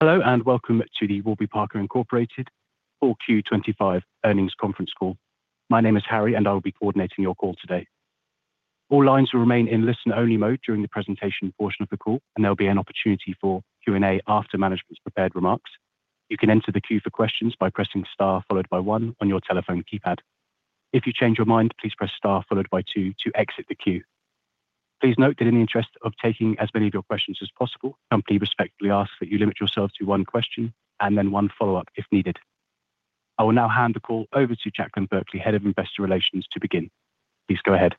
Hello, and welcome to the Warby Parker Inc. Q4 2025 earnings conference call. My name is Harry, and I will be coordinating your call today. All lines will remain in listen-only mode during the presentation portion of the call, and there will be an opportunity for Q and A after management's prepared remarks. You can enter the queue for questions by pressing star followed by one on your telephone keypad. If you change your mind, please press star followed by two to exit the queue. Please note that in the interest of taking as many of your questions as possible, the company respectfully asks that you limit yourself to one question and then one follow-up if needed. I will now hand the call over to Jaclyn Berkley, Head of Investor Relations, to begin. Please go ahead.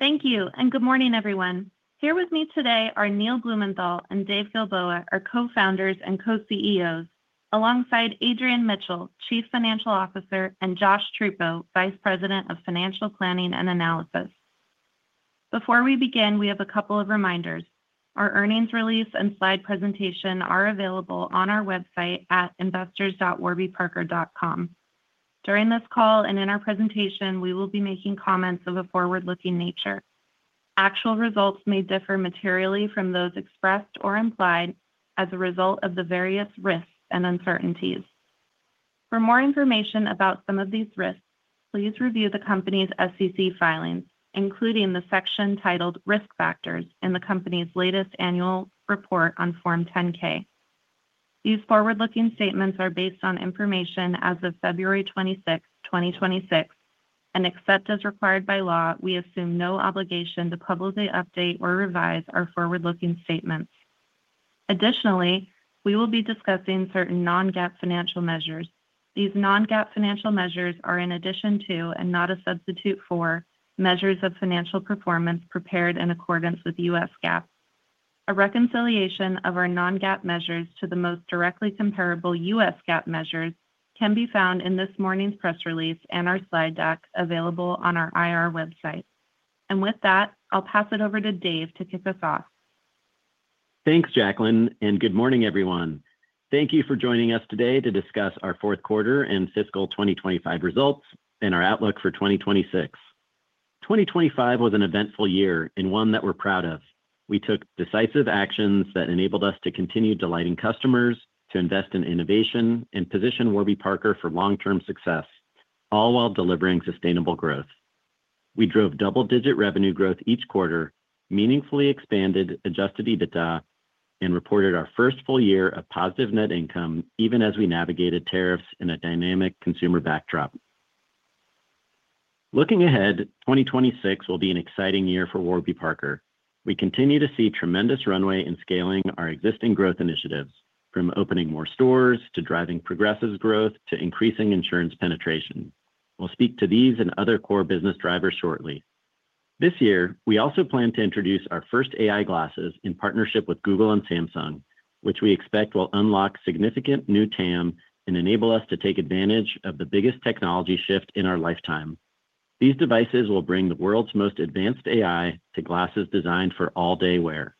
Thank you. Good morning, everyone. Here with me today are Neil Blumenthal and Dave Gilboa, our co-founders and co-CEOs, alongside Adrian Mitchell, Chief Financial Officer, and Josh Truppo, Vice President of Financial Planning and Analysis. Before we begin, we have a couple of reminders. Our earnings release and slide presentation are available on our website at investors.warbyparker.com. During this call and in our presentation, we will be making comments of a forward-looking nature. Actual results may differ materially from those expressed or implied as a result of the various risks and uncertainties. For more information about some of these risks, please review the company's SEC filings, including the section titled "Risk Factors" in the company's latest annual report on Form 10-K. These forward-looking statements are based on information as of February 26, 2026, except as required by law, we assume no obligation to publicly update or revise our forward-looking statements. Additionally, we will be discussing certain non-GAAP financial measures. These non-GAAP financial measures are in addition to, and not a substitute for, measures of financial performance prepared in accordance with the U.S. GAAP. A reconciliation of our non-GAAP measures to the most directly comparable U.S. GAAP measures can be found in this morning's press release and our slide deck, available on our IR website. With that, I'll pass it over to Dave to kick us off. Thanks, Jaclyn, good morning, everyone. Thank you for joining us today to discuss our fourth quarter and fiscal 2025 results and our outlook for 2026. 2025 was an eventful year and one that we're proud of. We took decisive actions that enabled us to continue delighting customers, to invest in innovation, and position Warby Parker for long-term success, all while delivering sustainable growth. We drove double-digit revenue growth each quarter, meaningfully expanded, adjusted EBITDA, and reported our first full year of positive net income, even as we navigated tariffs in a dynamic consumer backdrop. Looking ahead, 2026 will be an exciting year for Warby Parker. We continue to see tremendous runway in scaling our existing growth initiatives, from opening more stores, to driving progressive growth, to increasing insurance penetration. We'll speak to these and other core business drivers shortly. This year, we also plan to introduce our first AI glasses in partnership with Google and Samsung, which we expect will unlock significant new TAM and enable us to take advantage of the biggest technology shift in our lifetime. These devices will bring the world's most advanced AI to glasses designed for all-day wear.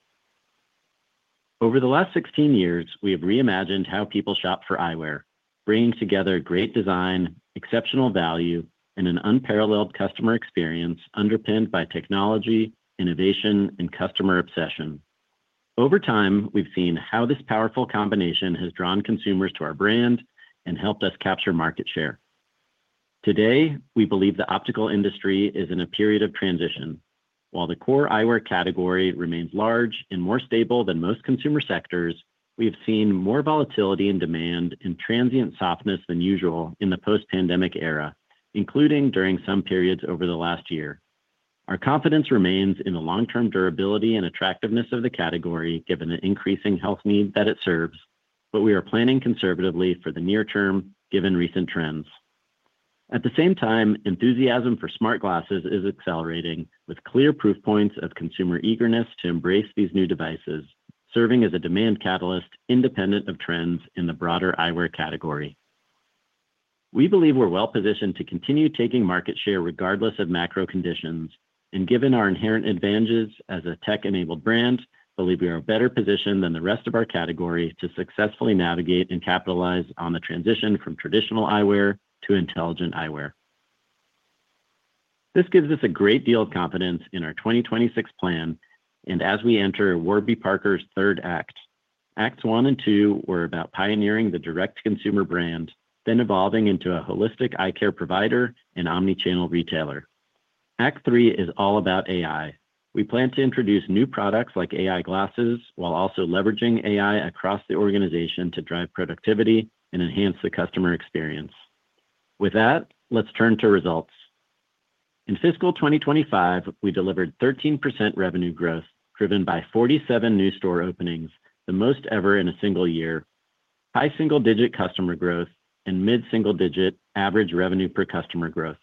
Over the last 16 years, we have reimagined how people shop for eyewear, bringing together great design, exceptional value, and an unparalleled customer experience underpinned by technology, innovation, and customer obsession. Over time, we've seen how this powerful combination has drawn consumers to our brand and helped us capture market share. Today, we believe the optical industry is in a period of transition. While the core eyewear category remains large and more stable than most consumer sectors, we have seen more volatility in demand and transient softness than usual in the post-pandemic era, including during some periods over the last year. Our confidence remains in the long-term durability and attractiveness of the category, given the increasing health need that it serves, but we are planning conservatively for the near term, given recent trends. At the same time, enthusiasm for smart glasses is accelerating, with clear proof points of consumer eagerness to embrace these new devices, serving as a demand catalyst independent of trends in the broader eyewear category. We believe we're well positioned to continue taking market share regardless of macro conditions, and given our inherent advantages as a tech-enabled brand, believe we are better positioned than the rest of our category to successfully navigate and capitalize on the transition from traditional eyewear to intelligent eyewear. This gives us a great deal of confidence in our 2026 plan and as we enter Warby Parker's third act. Acts one and two were about pioneering the direct-to-consumer brand, then evolving into a holistic eye care provider and omni-channel retailer. Act three is all about AI. We plan to introduce new products like AI glasses, while also leveraging AI across the organization to drive productivity and enhance the customer experience. With that, let's turn to results. In fiscal 2025, we delivered 13% revenue growth, driven by 47 new store openings, the most ever in a single year, high single-digit customer growth, and mid-single digit average revenue per customer growth.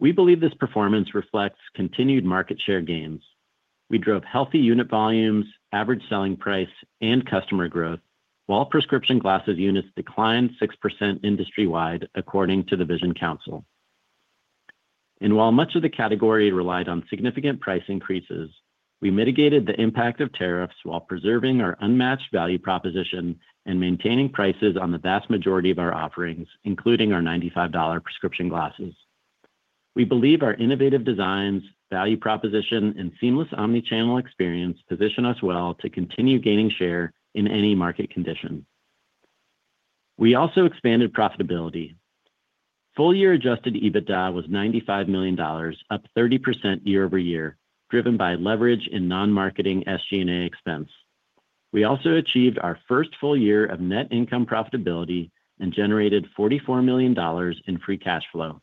We believe this performance reflects continued market share gains. We drove healthy unit volumes, average selling price, and customer growth, while prescription glasses units declined 6% industry-wide, according to The Vision Council. While much of the category relied on significant price increases, we mitigated the impact of tariffs while preserving our unmatched value proposition and maintaining prices on the vast majority of our offerings, including our $95 prescription glasses. We believe our innovative designs, value proposition, and seamless omni-channel experience position us well to continue gaining share in any market condition. We also expanded profitability. Full-year adjusted EBITDA was $95 million, up 30% year-over-year, driven by leverage in non-marketing SG&A expense. We also achieved our first full year of net income profitability and generated $44 million in free cash flow.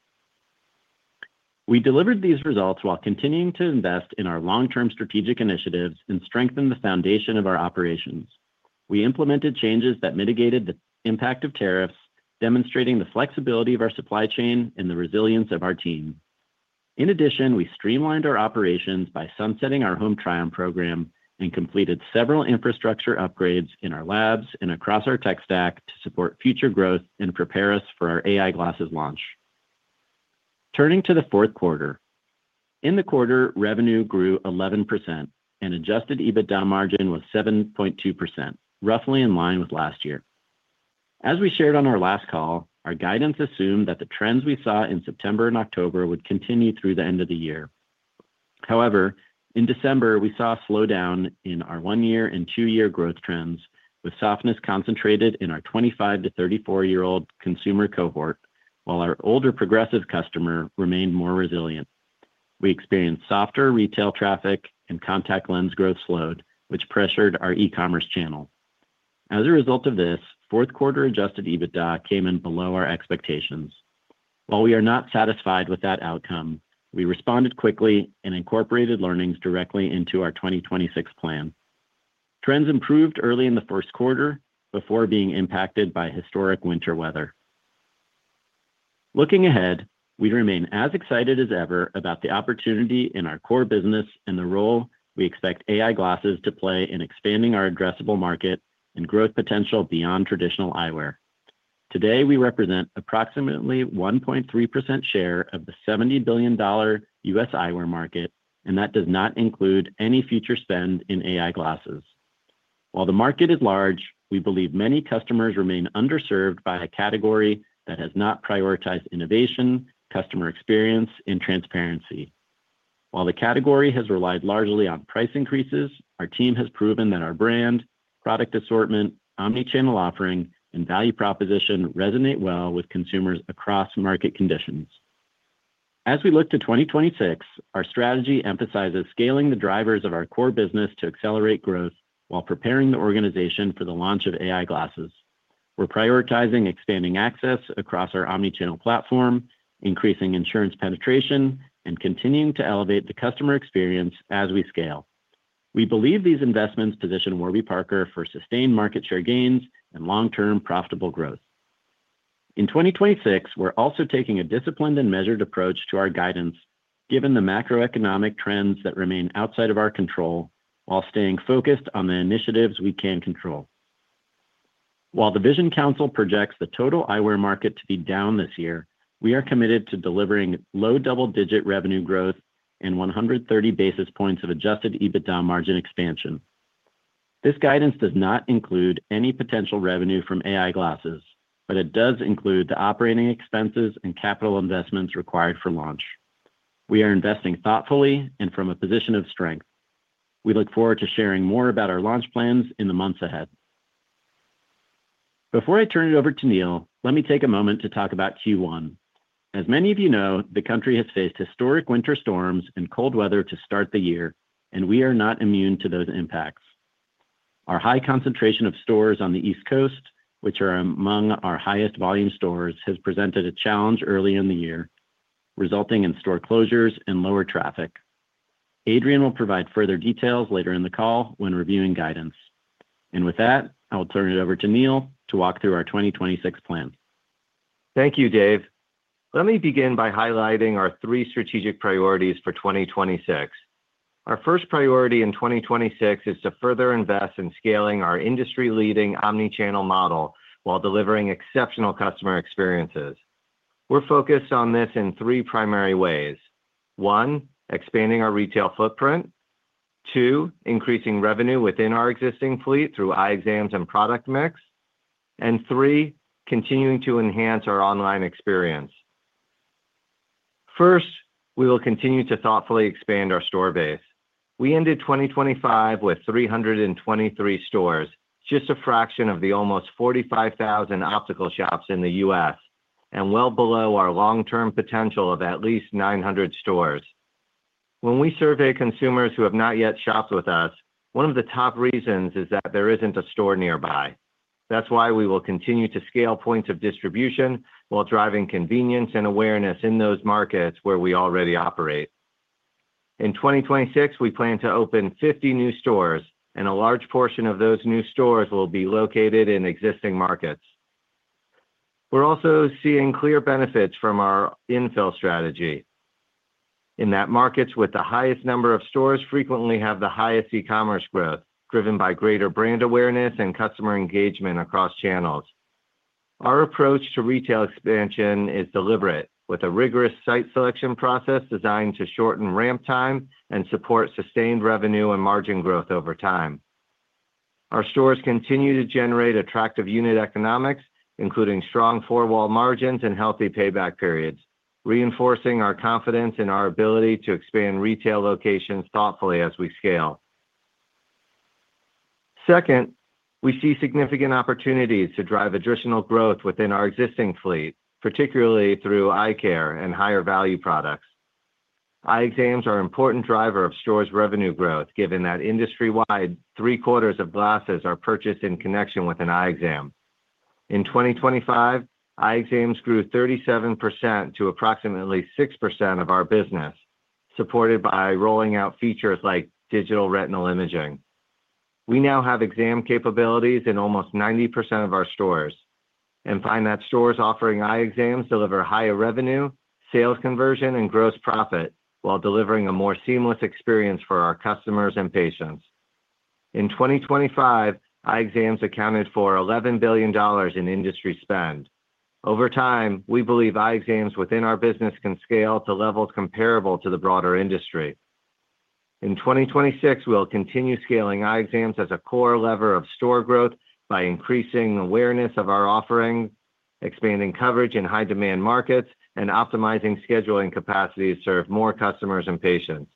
We delivered these results while continuing to invest in our long-term strategic initiatives and strengthen the foundation of our operations. We implemented changes that mitigated the impact of tariffs, demonstrating the flexibility of our supply chain and the resilience of our team. In addition, we streamlined our operations by sunsetting our Home Try-On program and completed several infrastructure upgrades in our labs and across our tech stack to support future growth and prepare us for our AI glasses launch. Turning to the fourth quarter. In the quarter, revenue grew 11%, and adjusted EBITDA margin was 7.2%, roughly in line with last year. As we shared on our last call, our guidance assumed that the trends we saw in September and October would continue through the end of the year. However, in December, we saw a slowdown in our one-year and two-year growth trends, with softness concentrated in our 25 to 34-year-old consumer cohort, while our older progressive customer remained more resilient. We experienced softer retail traffic and contact lens growth slowed, which pressured our e-commerce channel. As a result of this, fourth quarter adjusted EBITDA came in below our expectations. While we are not satisfied with that outcome, we responded quickly and incorporated learnings directly into our 2026 plan. Trends improved early in the first quarter before being impacted by historic winter weather. Looking ahead, we remain as excited as ever about the opportunity in our core business and the role we expect AI glasses to play in expanding our addressable market and growth potential beyond traditional eyewear. Today, we represent approximately 1.3% share of the $70 billion U.S. eyewear market, and that does not include any future spend in AI glasses. While the market is large, we believe many customers remain underserved by a category that has not prioritized innovation, customer experience, and transparency. While the category has relied largely on price increases, our team has proven that our brand, product assortment, omni-channel offering, and value proposition resonate well with consumers across market conditions. As we look to 2026, our strategy emphasizes scaling the drivers of our core business to accelerate growth while preparing the organization for the launch of AI glasses. We're prioritizing expanding access across our omni-channel platform, increasing insurance penetration, and continuing to elevate the customer experience as we scale. We believe these investments position Warby Parker for sustained market share gains and long-term profitable growth. In 2026, we're also taking a disciplined and measured approach to our guidance, given the macroeconomic trends that remain outside of our control, while staying focused on the initiatives we can control. The Vision Council projects the total eyewear market to be down this year, we are committed to delivering low double-digit revenue growth and 130 basis points of adjusted EBITDA margin expansion. This guidance does not include any potential revenue from AI glasses. It does include the operating expenses and capital investments required for launch. We are investing thoughtfully and from a position of strength. We look forward to sharing more about our launch plans in the months ahead. Before I turn it over to Neil, let me take a moment to talk about Q1. As many of you know, the country has faced historic winter storms and cold weather to start the year, and we are not immune to those impacts. Our high concentration of stores on the East Coast, which are among our highest volume stores, has presented a challenge early in the year, resulting in store closures and lower traffic. Adrian will provide further details later in the call when reviewing guidance. With that, I will turn it over to Neil to walk through our 2026 plan. Thank you, Dave. Let me begin by highlighting our three strategic priorities for 2026. Our first priority in 2026 is to further invest in scaling our industry-leading omni-channel model while delivering exceptional customer experiences. We're focused on this in three primary ways. One, expanding our retail footprint. Two, increasing revenue within our existing fleet through eye exams and product mix. Three, continuing to enhance our online experience. First, we will continue to thoughtfully expand our store base. We ended 2025 with 323 stores, just a fraction of the almost 45,000 optical shops in the U.S., and well below our long-term potential of at least 900 stores. When we survey consumers who have not yet shopped with us, one of the top reasons is that there isn't a store nearby. That's why we will continue to scale points of distribution while driving convenience and awareness in those markets where we already operate. In 2026, we plan to open 50 new stores. A large portion of those new stores will be located in existing markets. We're also seeing clear benefits from our infill strategy, in that markets with the highest number of stores frequently have the highest e-commerce growth, driven by greater brand awareness and customer engagement across channels. Our approach to retail expansion is deliberate, with a rigorous site selection process designed to shorten ramp time and support sustained revenue and margin growth over time. Our stores continue to generate attractive unit economics, including strong four-wall margins and healthy payback periods, reinforcing our confidence in our ability to expand retail locations thoughtfully as we scale. Second, we see significant opportunities to drive additional growth within our existing fleet, particularly through eye care and higher value products. Eye exams are an important driver of stores' revenue growth, given that industry-wide, 3/4 of glasses are purchased in connection with an eye exam. In 2025, eye exams grew 37% to approximately 6% of our business, supported by rolling out features like digital retinal imaging. We now have exam capabilities in almost 90% of our stores and find that stores offering eye exams deliver higher revenue, sales conversion, and gross profit while delivering a more seamless experience for our customers and patients. In 2025, eye exams accounted for $11 billion in industry spend. Over time, we believe eye exams within our business can scale to levels comparable to the broader industry. In 2026, we'll continue scaling eye exams as a core lever of store growth by increasing awareness of our offering, expanding coverage in high-demand markets, and optimizing scheduling capacity to serve more customers and patients.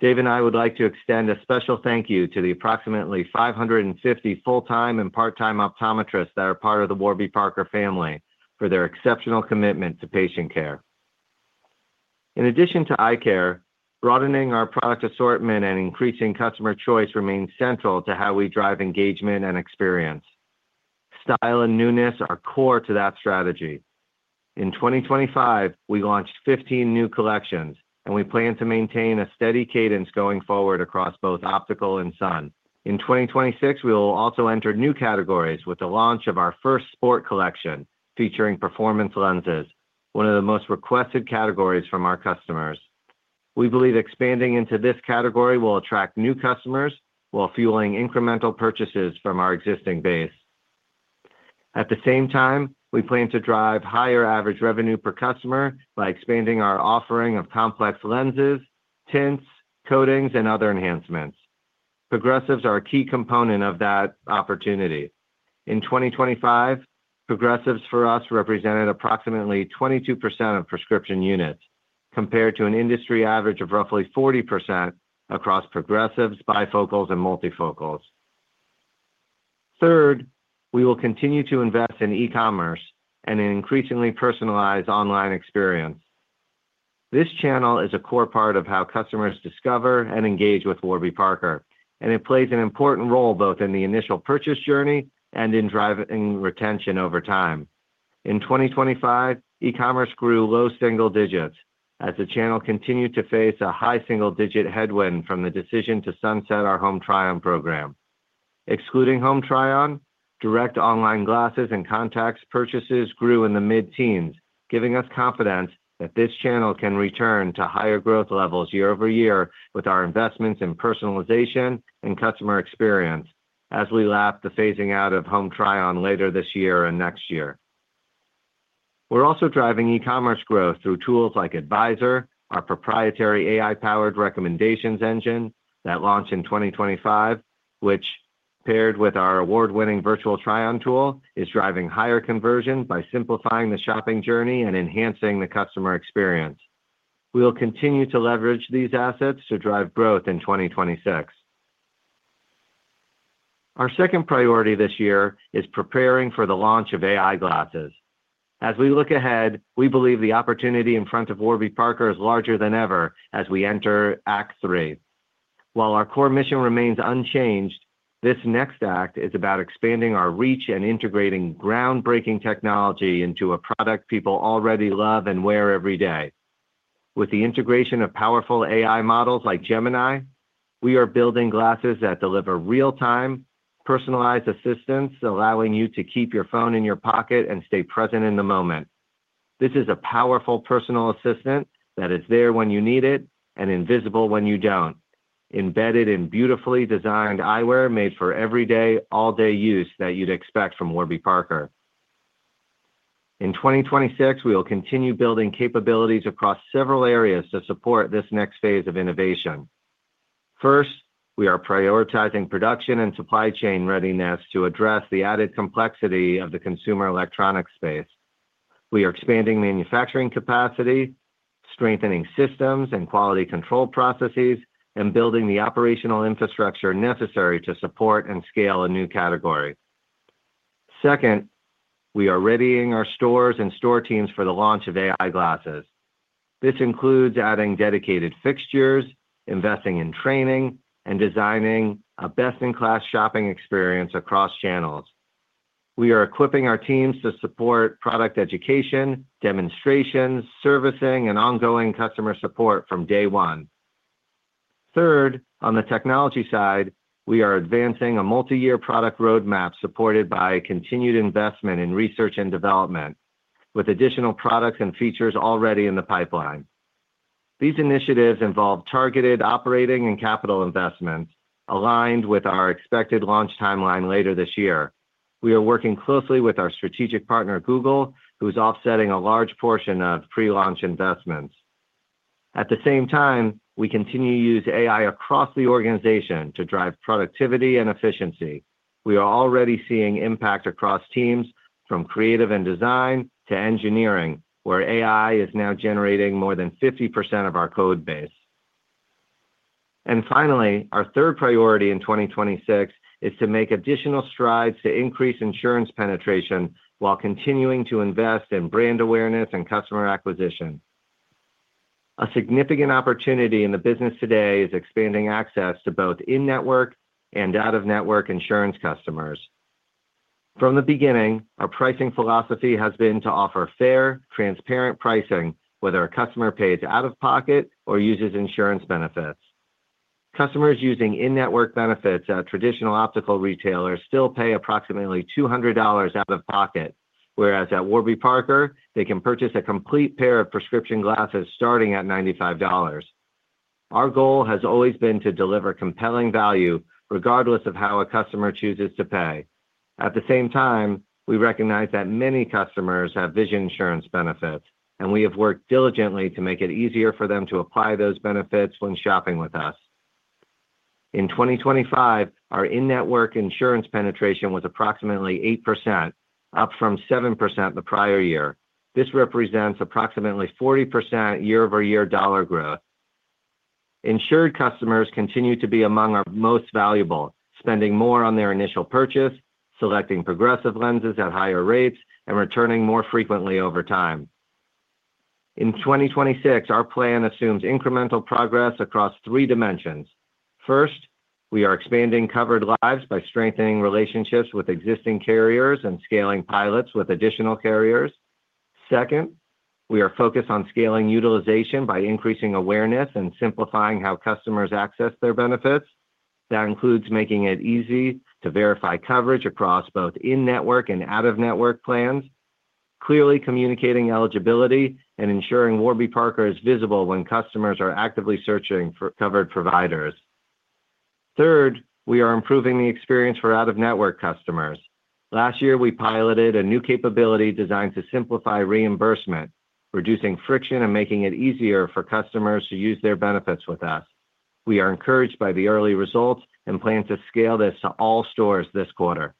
Dave and I would like to extend a special thank you to the approximately 550 full-time and part-time optometrists that are part of the Warby Parker family for their exceptional commitment to patient care. In addition to eye care, broadening our product assortment and increasing customer choice remains central to how we drive engagement and experience. Style and newness are core to that strategy. In 2025, we launched 15 new collections, and we plan to maintain a steady cadence going forward across both optical and sun. In 2026, we will also enter new categories with the launch of our first sport collection, featuring performance lenses, one of the most requested categories from our customers. We believe expanding into this category will attract new customers while fueling incremental purchases from our existing base. At the same time, we plan to drive higher average revenue per customer by expanding our offering of complex lenses, tints, coatings, and other enhancements. Progressives are a key component of that opportunity. In 2025, progressives for us represented approximately 22% of prescription units, compared to an industry average of roughly 40% across progressives, bifocals, and multifocals. Third, we will continue to invest in e-commerce and an increasingly personalized online experience. This channel is a core part of how customers discover and engage with Warby Parker, and it plays an important role both in the initial purchase journey and in driving retention over time. In 2025, e-commerce grew low single digits, as the channel continued to face a high single-digit headwind from the decision to sunset our Home Try-On program. Excluding Home Try-On, direct online glasses and contacts purchases grew in the mid-teens, giving us confidence that this channel can return to higher growth levels year-over-year with our investments in personalization and customer experience as we lap the phasing out of Home Try-On later this year and next year. We're also driving e-commerce growth through tools like Advisor, our proprietary AI-powered recommendations engine that launched in 2025, which, paired with our award-winning virtual try-on tool, is driving higher conversion by simplifying the shopping journey and enhancing the customer experience. We will continue to leverage these assets to drive growth in 2026. Our second priority this year is preparing for the launch of AI glasses. As we look ahead, we believe the opportunity in front of Warby Parker is larger than ever as we enter Act III. While our core mission remains unchanged, this next act is about expanding our reach and integrating groundbreaking technology into a product people already love and wear every day. With the integration of powerful AI models like Gemini, we are building glasses that deliver real-time, personalized assistance, allowing you to keep your phone in your pocket and stay present in the moment. This is a powerful personal assistant that is there when you need it and invisible when you don't, embedded in beautifully designed eyewear made for everyday, all-day use that you'd expect from Warby Parker. In 2026, we will continue building capabilities across several areas to support this next phase of innovation. First, we are prioritizing production and supply chain readiness to address the added complexity of the consumer electronic space. We are expanding manufacturing capacity, strengthening systems and quality control processes, and building the operational infrastructure necessary to support and scale a new category. Second, we are readying our stores and store teams for the launch of AI glasses. This includes adding dedicated fixtures, investing in training, and designing a best-in-class shopping experience across channels. We are equipping our teams to support product education, demonstrations, servicing, and ongoing customer support from day one. Third, on the technology side, we are advancing a multiyear product roadmap supported by continued investment in research and development, with additional products and features already in the pipeline. These initiatives involve targeted operating and capital investments aligned with our expected launch timeline later this year. We are working closely with our strategic partner, Google, who is offsetting a large portion of pre-launch investments. At the same time, we continue to use AI across the organization to drive productivity and efficiency. We are already seeing impact across teams from creative and design to engineering, where AI is now generating more than 50% of our code base. Finally, our third priority in 2026 is to make additional strides to increase insurance penetration while continuing to invest in brand awareness and customer acquisition. A significant opportunity in the business today is expanding access to both in-network and out-of-network insurance customers. From the beginning, our pricing philosophy has been to offer fair, transparent pricing, whether a customer pays out of pocket or uses insurance benefits. Customers using in-network benefits at traditional optical retailers still pay approximately $200 out of pocket, whereas at Warby Parker, they can purchase a complete pair of prescription glasses starting at $95. Our goal has always been to deliver compelling value, regardless of how a customer chooses to pay. At the same time, we recognize that many customers have vision insurance benefits, and we have worked diligently to make it easier for them to apply those benefits when shopping with us. In 2025, our in-network insurance penetration was approximately 8%, up from 7% the prior year. This represents approximately 40% year-over-year dollar growth. Insured customers continue to be among our most valuable, spending more on their initial purchase, selecting progressive lenses at higher rates, and returning more frequently over time. In 2026, our plan assumes incremental progress across three dimensions. First, we are expanding covered lives by strengthening relationships with existing carriers and scaling pilots with additional carriers. Second, we are focused on scaling utilization by increasing awareness and simplifying how customers access their benefits. That includes making it easy to verify coverage across both in-network and out-of-network plans, clearly communicating eligibility, and ensuring Warby Parker is visible when customers are actively searching for covered providers. Third, we are improving the experience for out-of-network customers. Last year, we piloted a new capability designed to simplify reimbursement, reducing friction and making it easier for customers to use their benefits with us. We are encouraged by the early results and plan to scale this to all stores this quarter.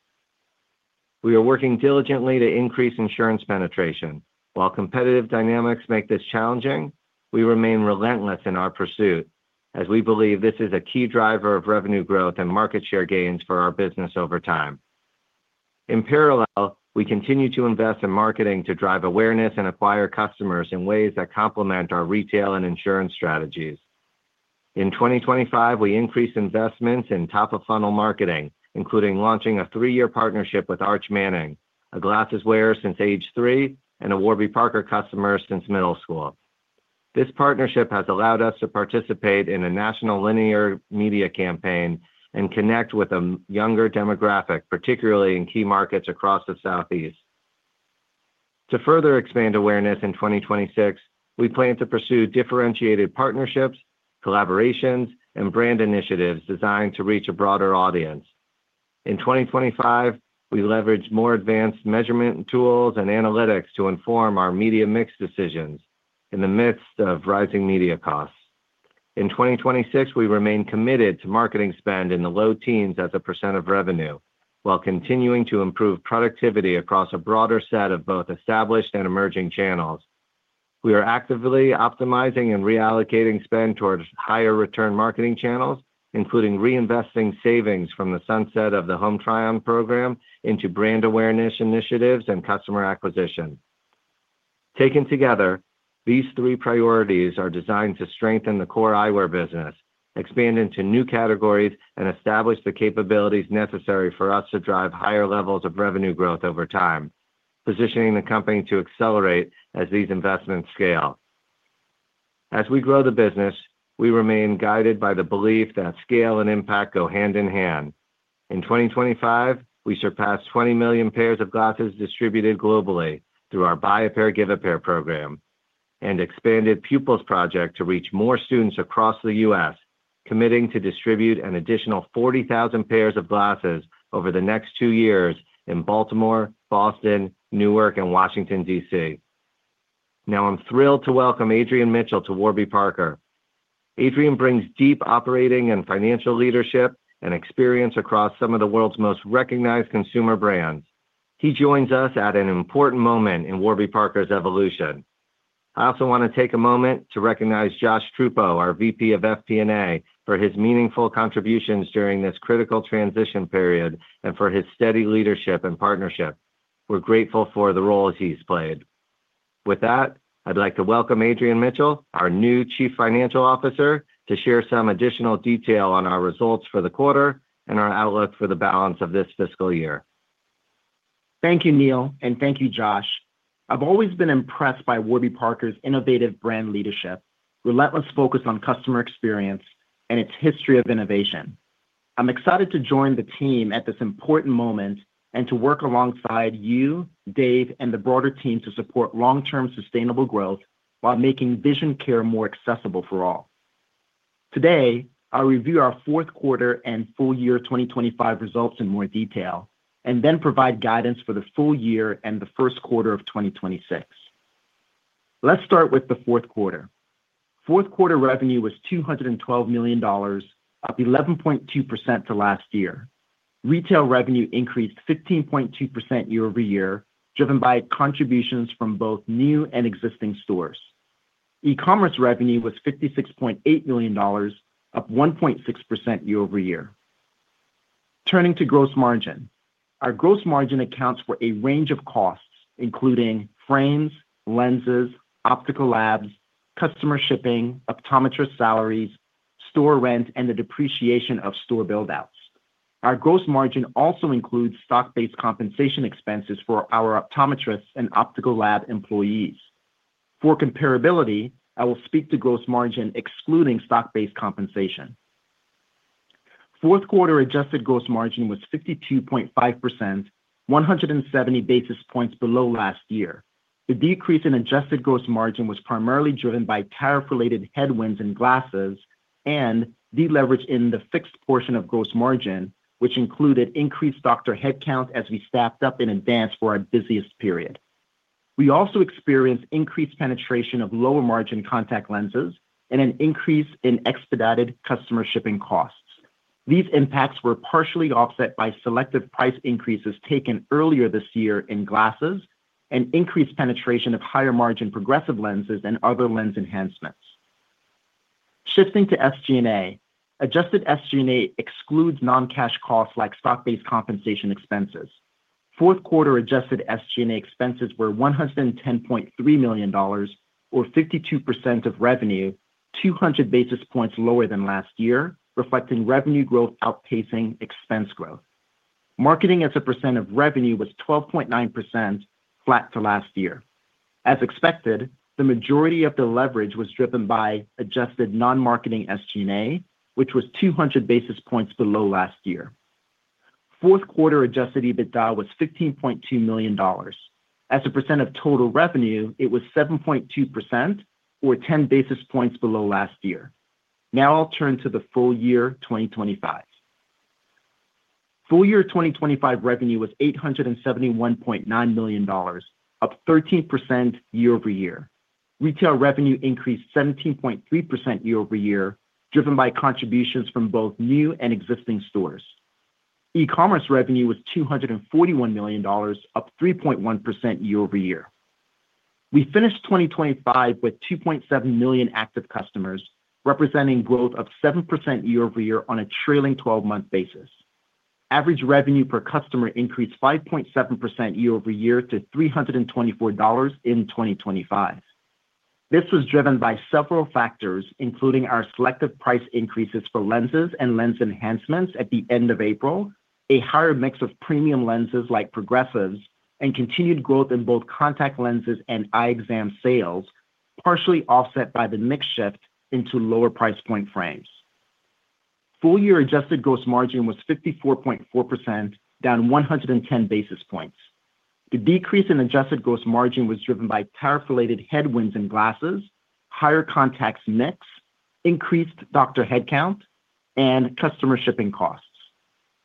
We are working diligently to increase insurance penetration. While competitive dynamics make this challenging, we remain relentless in our pursuit, as we believe this is a key driver of revenue growth and market share gains for our business over time. In parallel, we continue to invest in marketing to drive awareness and acquire customers in ways that complement our retail and insurance strategies. In 2025, we increased investments in top-of-funnel marketing, including launching a three-year partnership with Arch Manning, a glasses wearer since age three and a Warby Parker customer since middle school. This partnership has allowed us to participate in a national linear media campaign and connect with a younger demographic, particularly in key markets across the Southeast. To further expand awareness in 2026, we plan to pursue differentiated partnerships, collaborations, and brand initiatives designed to reach a broader audience. In 2025, we leveraged more advanced measurement tools and analytics to inform our media mix decisions in the midst of rising media costs. In 2026, we remain committed to marketing spend in the low teens as a % of revenue, while continuing to improve productivity across a broader set of both established and emerging channels. We are actively optimizing and reallocating spend towards higher return marketing channels, including reinvesting savings from the sunset of the Home Try-On program into brand awareness initiatives and customer acquisition. Taken together, these three priorities are designed to strengthen the core eyewear business, expand into new categories, and establish the capabilities necessary for us to drive higher levels of revenue growth over time, positioning the company to accelerate as these investments scale. As we grow the business, we remain guided by the belief that scale and impact go hand in hand. In 2025, we surpassed 20 million pairs of glasses distributed globally through our Buy a Pair, Give a Pair program and expanded Pupils Project to reach more students across the U.S., committing to distribute an additional 40,000 pairs of glasses over the next two years in Baltimore, Boston, Newark, and Washington, D.C. I'm thrilled to welcome Adrian Mitchell to Warby Parker. Adrian brings deep operating and financial leadership and experience across some of the world's most recognized consumer brands. He joins us at an important moment in Warby Parker's evolution. I also want to take a moment to recognize Josh Truppo, our VP of FP&A, for his meaningful contributions during this critical transition period and for his steady leadership and partnership. We're grateful for the roles he's played. With that, I'd like to welcome Adrian Mitchell, our new Chief Financial Officer, to share some additional detail on our results for the quarter and our outlook for the balance of this fiscal year. Thank you, Neil, and thank you, Josh. I've always been impressed by Warby Parker's innovative brand leadership, relentless focus on customer experience, and its history of innovation. I'm excited to join the team at this important moment and to work alongside you, Dave, and the broader team to support long-term sustainable growth while making vision care more accessible for all. Today, I'll review our fourth quarter and full year 2025 results in more detail, and then provide guidance for the full year and the first quarter of 2026. Let's start with the fourth quarter. Fourth quarter revenue was $212 million, up 11.2% to last year. Retail revenue increased 15.2% year-over-year, driven by contributions from both new and existing stores. E-commerce revenue was $56.8 million, up 1.6% year-over-year. Turning to gross margin. Our gross margin accounts for a range of costs, including frames, lenses, optical labs, customer shipping, optometrist salaries, store rent, and the depreciation of store buildouts. Our gross margin also includes stock-based compensation expenses for our optometrists and optical lab employees. For comparability, I will speak to gross margin excluding stock-based compensation. Fourth quarter adjusted gross margin was 52.5%, 170 basis points below last year. The decrease in adjusted gross margin was primarily driven by tariff-related headwinds in glasses and deleverage in the fixed portion of gross margin, which included increased doctor headcount as we staffed up in advance for our busiest period. We also experienced increased penetration of lower margin contact lenses and an increase in expedited customer shipping costs. These impacts were partially offset by selective price increases taken earlier this year in glasses and increased penetration of higher margin progressive lenses and other lens enhancements. Shifting to SG&A. Adjusted SG&A excludes non-cash costs like stock-based compensation expenses. Fourth quarter adjusted SG&A expenses were $110.3 million or 52% of revenue, 200 basis points lower than last year, reflecting revenue growth outpacing expense growth. Marketing as a percent of revenue was 12.9% flat to last year. As expected, the majority of the leverage was driven by adjusted non-marketing SG&A, which was 200 basis points below last year. Fourth quarter adjusted EBITDA was $15.2 million. As a percent of total revenue, it was 7.2% or 10 basis points below last year. Now I'll turn to the full year 2025. Full year 2025 revenue was $871.9 million, up 13% year-over-year. Retail revenue increased 17.3% year-over-year, driven by contributions from both new and existing stores. E-commerce revenue was $241 million, up 3.1% year-over-year. We finished 2025 with 2.7 million active customers, representing growth of 7% year-over-year on a trailing twelve-month basis. Average revenue per customer increased 5.7% year-over-year to $324 in 2025. This was driven by several factors, including our selective price increases for lenses and lens enhancements at the end of April, a higher mix of premium lenses like progressives, and continued growth in both contact lenses and eye exam sales, partially offset by the mix shift into lower price point frames. Full year adjusted gross margin was 54.4%, down 110 basis points. The decrease in adjusted gross margin was driven by tariff-related headwinds in glasses, higher contacts mix, increased doctor headcount, and customer shipping costs.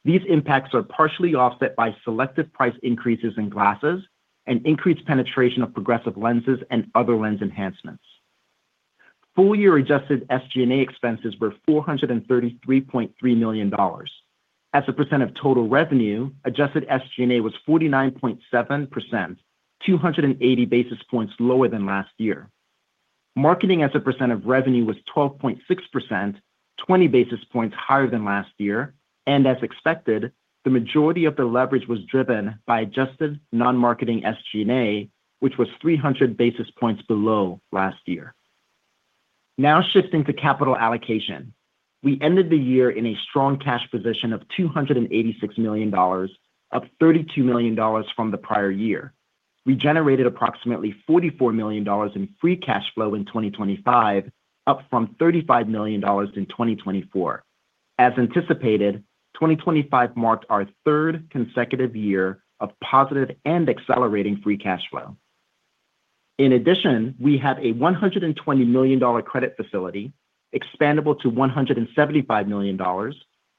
These impacts are partially offset by selective price increases in glasses and increased penetration of progressive lenses and other lens enhancements. Full year adjusted SG&A expenses were $433.3 million. As a percent of total revenue, adjusted SG&A was 49.7%, 280 basis points lower than last year. Marketing as a percent of revenue was 12.6%, 20 basis points higher than last year. As expected, the majority of the leverage was driven by adjusted non-marketing SG&A, which was 300 basis points below last year. Shifting to capital allocation. We ended the year in a strong cash position of $286 million, up $32 million from the prior year. We generated approximately $44 million in free cash flow in 2025, up from $35 million in 2024. As anticipated, 2025 marked our third consecutive year of positive and accelerating free cash flow. In addition, we have a $120 million credit facility, expandable to $175 million,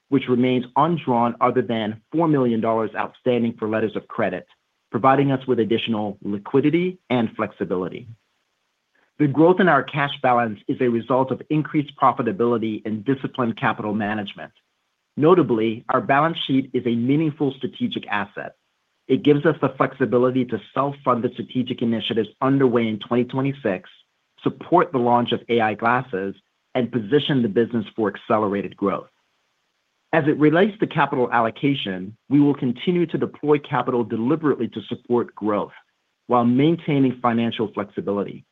which remains undrawn other than $4 million outstanding for letters of credit, providing us with additional liquidity and flexibility. The growth in our cash balance is a result of increased profitability and disciplined capital management. Notably, our balance sheet is a meaningful strategic asset. It gives us the flexibility to self-fund the strategic initiatives underway in 2026, support the launch of AI glasses, and position the business for accelerated growth. As it relates to capital allocation, we will continue to deploy capital deliberately to support growth while maintaining financial flexibility.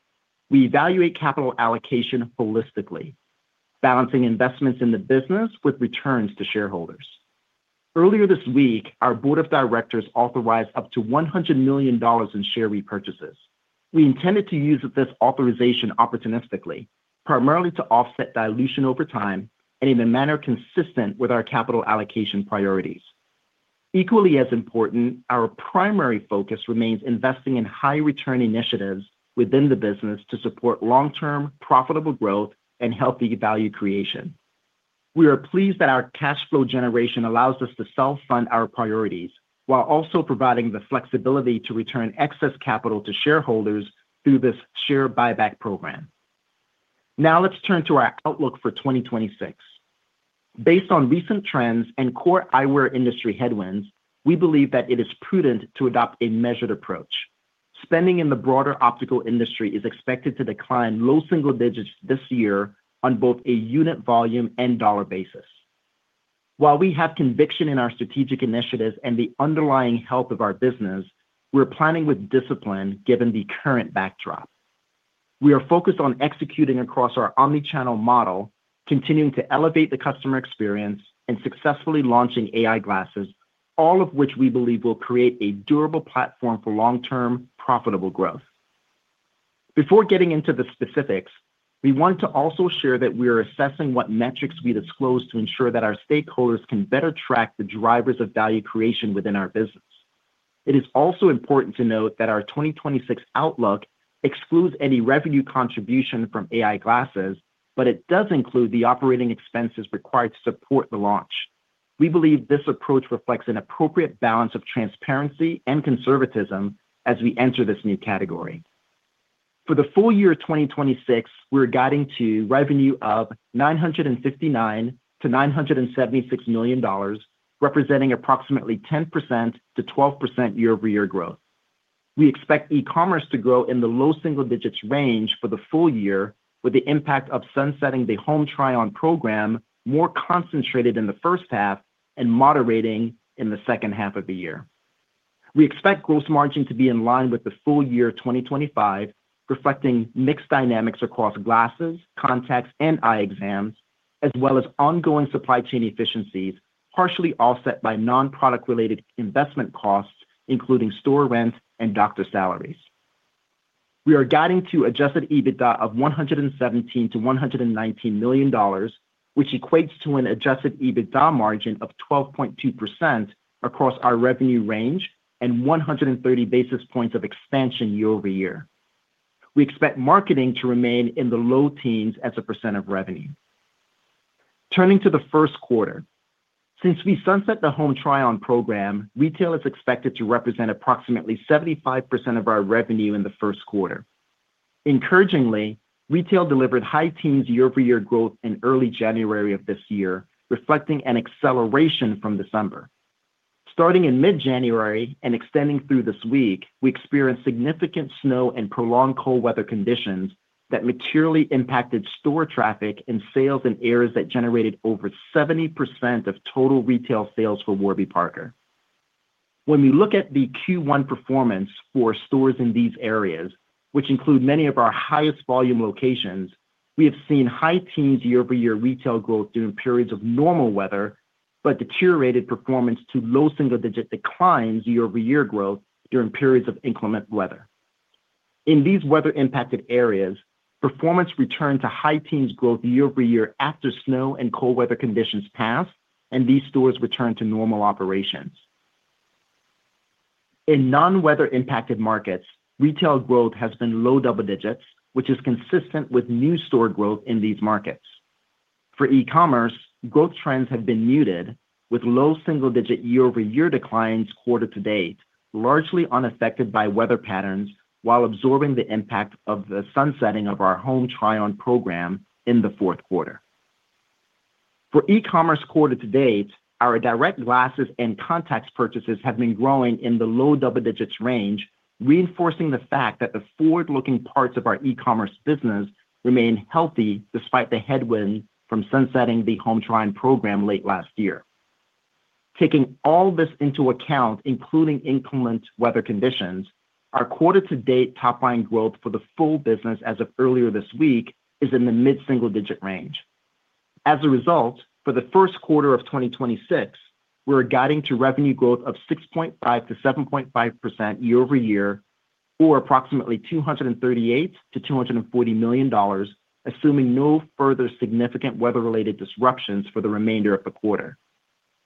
We evaluate capital allocation holistically, balancing investments in the business with returns to shareholders. Earlier this week, our board of directors authorized up to $100 million in share repurchases. We intended to use this authorization opportunistically, primarily to offset dilution over time and in a manner consistent with our capital allocation priorities. Equally as important, our primary focus remains investing in high return initiatives within the business to support long-term, profitable growth and healthy value creation. We are pleased that our cash flow generation allows us to self-fund our priorities, while also providing the flexibility to return excess capital to shareholders through this share buyback program. Let's turn to our outlook for 2026. Based on recent trends and core eyewear industry headwinds, we believe that it is prudent to adopt a measured approach. Spending in the broader optical industry is expected to decline low single digits this year on both a unit volume and dollar basis. While we have conviction in our strategic initiatives and the underlying health of our business, we're planning with discipline, given the current backdrop. We are focused on executing across our omni-channel model, continuing to elevate the customer experience, and successfully launching AI glasses, all of which we believe will create a durable platform for long-term, profitable growth. Before getting into the specifics, we want to also share that we are assessing what metrics we disclose to ensure that our stakeholders can better track the drivers of value creation within our business. It is also important to note that our 2026 outlook excludes any revenue contribution from AI glasses, but it does include the operating expenses required to support the launch. We believe this approach reflects an appropriate balance of transparency and conservatism as we enter this new category. For the full year 2026, we're guiding to revenue of $959 million-$976 million, representing approximately 10%-12% year-over-year growth. We expect e-commerce to grow in the low single digits range for the full year, with the impact of sunsetting the Home Try-On program more concentrated in the first half and moderating in the second half of the year. We expect gross margin to be in line with the full year 2025, reflecting mixed dynamics across glasses, contacts, and eye exams, as well as ongoing supply chain efficiencies, partially offset by non-product related investment costs, including store rent and doctor salaries. We are guiding to adjusted EBITDA of $117 million-$119 million, which equates to an adjusted EBITDA margin of 12.2% across our revenue range and 130 basis points of expansion year-over-year. We expect marketing to remain in the low teens as a percent of revenue. Turning to the first quarter. Since we sunset the Home Try-On program, retail is expected to represent approximately 75% of our revenue in the first quarter. Encouragingly, retail delivered high teens year-over-year growth in early January of this year, reflecting an acceleration from December. Starting in mid-January and extending through this week, we experienced significant snow and prolonged cold weather conditions that materially impacted store traffic and sales in areas that generated over 70% of total retail sales for Warby Parker. When we look at the Q1 performance for stores in these areas, which include many of our highest volume locations, we have seen high teens year-over-year retail growth during periods of normal weather, but deteriorated performance to low single digit declines year-over-year growth during periods of inclement weather. In these weather impacted areas, performance returned to high teens growth year-over-year after snow and cold weather conditions passed, and these stores returned to normal operations. In non-weather impacted markets, retail growth has been low double digits, which is consistent with new store growth in these markets. For e-commerce, growth trends have been muted, with low single digit year-over-year declines quarter to date, largely unaffected by weather patterns while absorbing the impact of the sunsetting of our Home Try-On program in the fourth quarter. For e-commerce quarter to date, our direct glasses and contacts purchases have been growing in the low double digits range, reinforcing the fact that the forward-looking parts of our e-commerce business remain healthy despite the headwind from sunsetting the Home Try-On program late last year. Taking all this into account, including inclement weather conditions, our quarter-to-date top-line growth for the full business as of earlier this week, is in the mid-single-digit range. As a result, for the first quarter of 2026, we're guiding to revenue growth of 6.5%-7.5% year-over-year, or approximately $238 million-$240 million, assuming no further significant weather-related disruptions for the remainder of the quarter.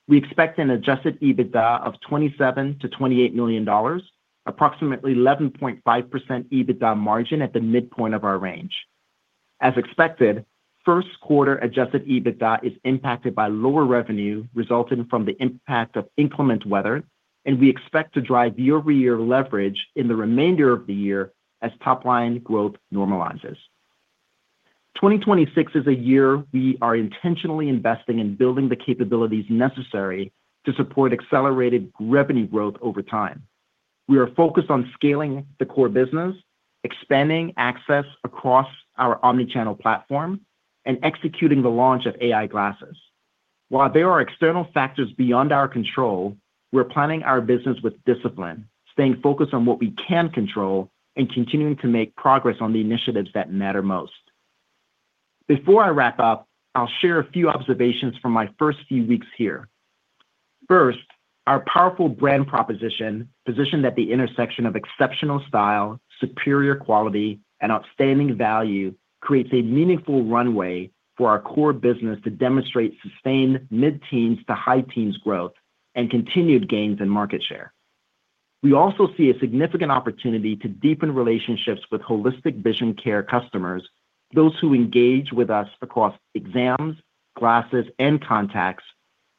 We expect an adjusted EBITDA of $27 million-$28 million, approximately 11.5% EBITDA margin at the midpoint of our range. As expected, first quarter adjusted EBITDA is impacted by lower revenue resulting from the impact of inclement weather, and we expect to drive year-over-year leverage in the remainder of the year as top-line growth normalizes. 2026 is a year we are intentionally investing in building the capabilities necessary to support accelerated revenue growth over time. We are focused on scaling the core business, expanding access across our omni-channel platform, and executing the launch of AI glasses. There are external factors beyond our control, we're planning our business with discipline, staying focused on what we can control, and continuing to make progress on the initiatives that matter most. I'll share a few observations from my first few weeks here. Our powerful brand proposition, positioned at the intersection of exceptional style, superior quality, and outstanding value, creates a meaningful runway for our core business to demonstrate sustained mid-teens to high teens growth and continued gains in market share. We also see a significant opportunity to deepen relationships with holistic vision care customers, those who engage with us across exams, glasses, and contacts,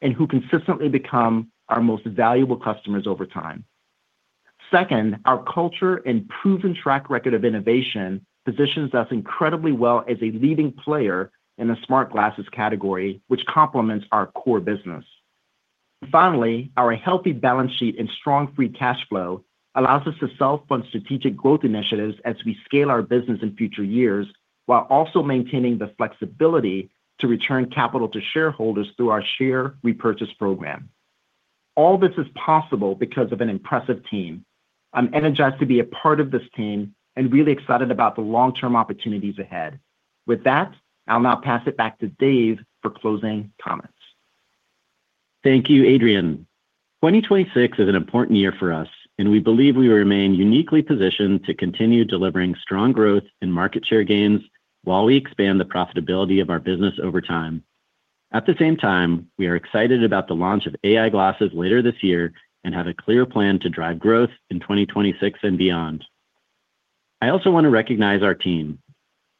and who consistently become our most valuable customers over time. Second, our culture and proven track record of innovation positions us incredibly well as a leading player in the smart glasses category, which complements our core business. Finally, our healthy balance sheet and strong free cash flow allows us to self-fund strategic growth initiatives as we scale our business in future years, while also maintaining the flexibility to return capital to shareholders through our share repurchase program. All this is possible because of an impressive team. I'm energized to be a part of this team and really excited about the long-term opportunities ahead. With that, I'll now pass it back to Dave for closing comments. Thank you, Adrian. 2026 is an important year for us, and we believe we remain uniquely positioned to continue delivering strong growth and market share gains while we expand the profitability of our business over time. At the same time, we are excited about the launch of AI glasses later this year and have a clear plan to drive growth in 2026 and beyond. I also want to recognize our team.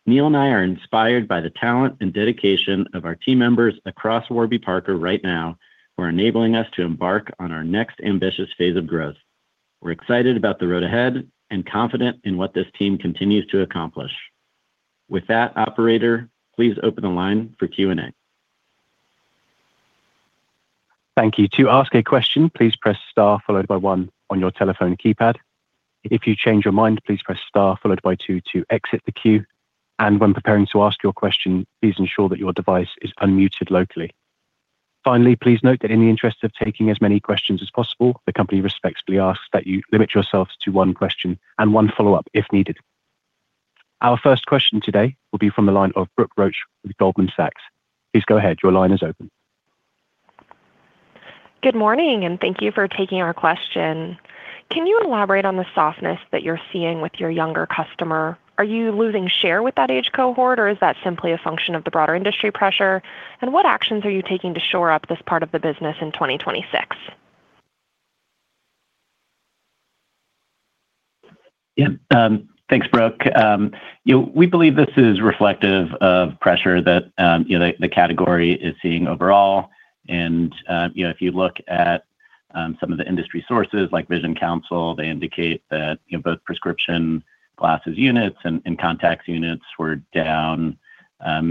Neil and I are inspired by the talent and dedication of our team members across Warby Parker right now, who are enabling us to embark on our next ambitious phase of growth. We're excited about the road ahead and confident in what this team continues to accomplish. With that, operator, please open the line for Q and A. Thank you. To ask a question, please press star followed by one on your telephone keypad. If you change your mind, please press star followed by two to exit the queue. When preparing to ask your question, please ensure that your device is unmuted locally. Finally, please note that in the interest of taking as many questions as possible, the company respectfully asks that you limit yourselves to one question and one follow-up if needed. Our first question today will be from the line of Brooke Roach with Goldman Sachs. Please go ahead. Your line is open. Good morning. Thank you for taking our question. Can you elaborate on the softness that you're seeing with your younger customer? Are you losing share with that age cohort, or is that simply a function of the broader industry pressure? What actions are you taking to shore up this part of the business in 2026? Yeah, thanks, Brooke. You know, we believe this is reflective of pressure that, you know, the category is seeing overall. You know, if you look at some of the industry sources, like Vision Council, they indicate that, you know, both prescription glasses units and contacts units were down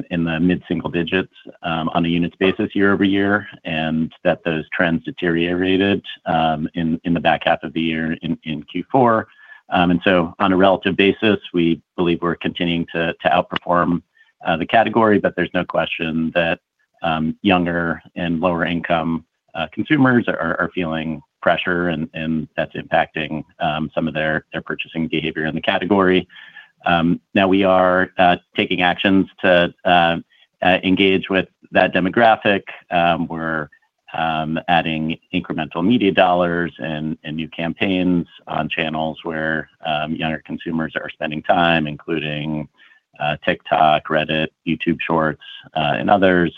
in the mid-single digits on a units basis year-over-year, and that those trends deteriorated in the back half of the year in Q4. On a relative basis, we believe we're continuing to outperform the category, but there's no question that younger and lower-income consumers are feeling pressure and that's impacting some of their purchasing behavior in the category. Now we are taking actions to engage with that demographic. We're adding incremental media dollars and new campaigns on channels where younger consumers are spending time, including TikTok, Reddit, YouTube Shorts and others.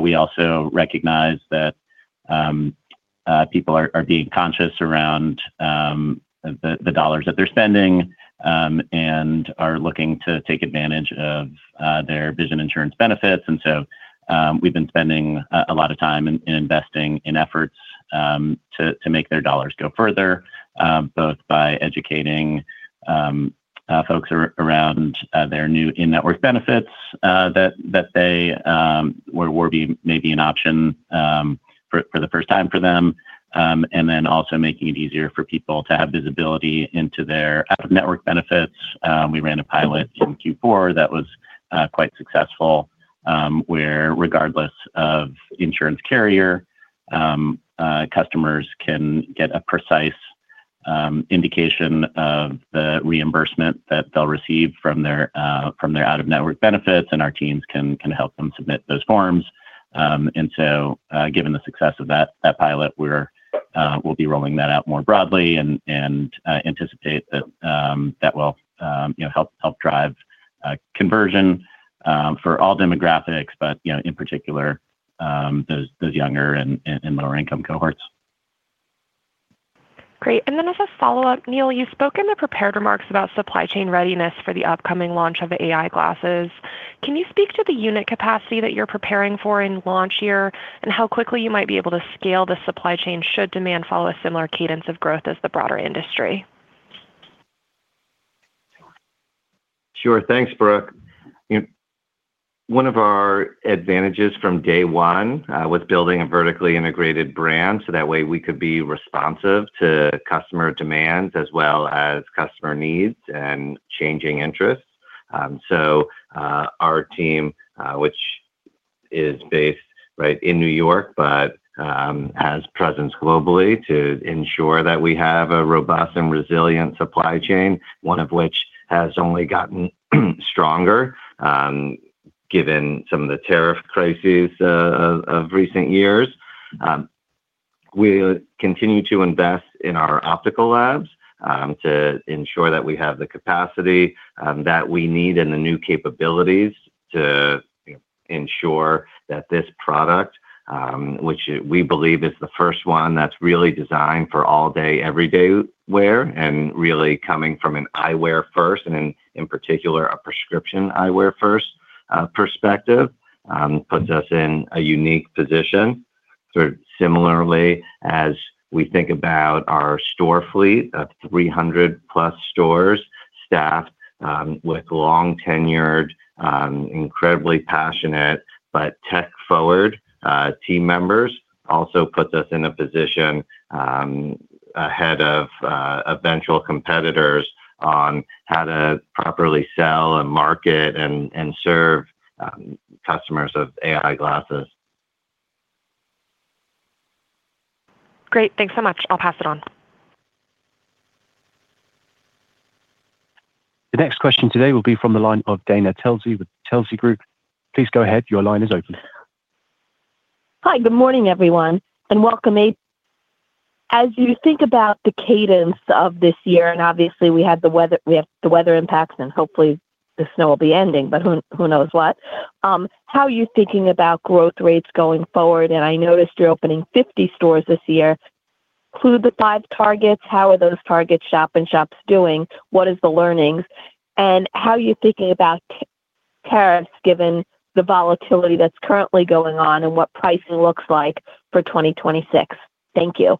We also recognize that people are being conscious around the dollars that they're spending and are looking to take advantage of their vision insurance benefits. We've been spending a lot of time in investing in efforts to make their dollars go further, both by educating folks around their new in-network benefits that they where Warby may be an option for the first time for them and then also making it easier for people to have visibility into their out-of-network benefits. We ran a pilot in Q4 that was quite successful, where regardless of insurance carrier, customers can get a precise indication of the reimbursement that they'll receive from their out-of-network benefits, and our teams can help them submit those forms. Given the success of that pilot, we're rolling that out more broadly and anticipate that will, you know, help drive conversion for all demographics, but, you know, in particular, younger and lower-income cohorts. Great. Then as a follow-up, Neil, you spoke in the prepared remarks about supply chain readiness for the upcoming launch of the AI glasses. Can you speak to the unit capacity that you're preparing for in launch year and how quickly you might be able to scale the supply chain, should demand follow a similar cadence of growth as the broader industry? Sure. Thanks, Brooke. You know, one of our advantages from day one, was building a vertically integrated brand, that way we could be responsive to customer demands as well as customer needs and changing interests. Our team, which is based right in New York, but has presence globally to ensure that we have a robust and resilient supply chain, one of which has only gotten stronger, given some of the tariff crises of recent years. We'll continue to invest in our optical labs, to ensure that we have the capacity, that we need and the new capabilities to ensure that this product, which we believe is the first one that's really designed for all-day, everyday wear, and really coming from an eyewear first, and in particular, a prescription eyewear first, perspective, puts us in a unique position. Sort of similarly, as we think about our store fleet of 300 + stores, staffed, with long-tenured, incredibly passionate, but tech-forward, team members, also puts us in a position, ahead of, eventual competitors on how to properly sell and market and serve, customers of AI glasses. Great. Thanks so much. I'll pass it on. The next question today will be from the line of Dana Telsey with Telsey Group. Please go ahead. Your line is open. Hi, good morning, everyone, and welcome. As you think about the cadence of this year, and obviously, we have the weather, we have the weather impacts, and hopefully the snow will be ending, but who knows what? How are you thinking about growth rates going forward? I noticed you're opening 50 stores this year. Clue the five Target, how are those Target shop and shops doing? What is the learnings, and how are you thinking about tariffs, given the volatility that's currently going on and what pricing looks like for 2026? Thank you.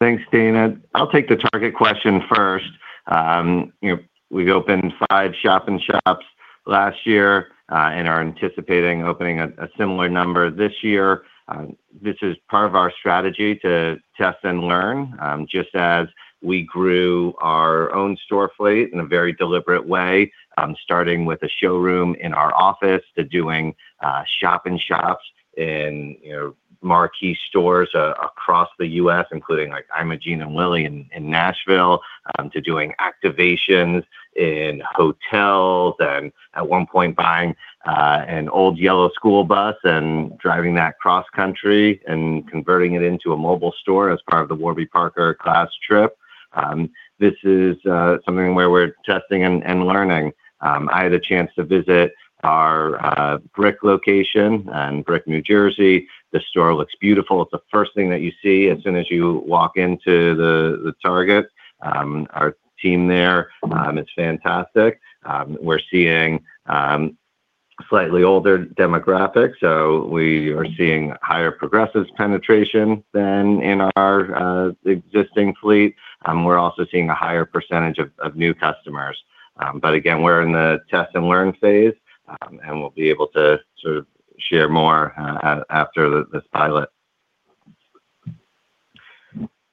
Thanks, Dana. I'll take the Target question first. You know, we opened five shop, and shops last year, and are anticipating opening a similar number this year. This is part of our strategy to test and learn, just as we grew our own store fleet in a very deliberate way, starting with a showroom in our office to doing shop and shops in, you know, marquee stores across the U.S., including like, Imogene + Willie in Nashville, to doing activations in hotels and at one point, buying an old yellow school bus and driving that cross-country and converting it into a mobile store as part of the Warby Parker Class Trip. This is something where we're testing and learning. I had a chance to visit our brick location in Brick, New Jersey. The store looks beautiful. It's the first thing that you see as soon as you walk into the Target. Our team there is fantastic. We're seeing slightly older demographics, so we are seeing higher progressive penetration than in our existing fleet. We're also seeing a higher percentage of new customers. Again, we're in the test and learn phase, and we'll be able to sort of share more after this pilot.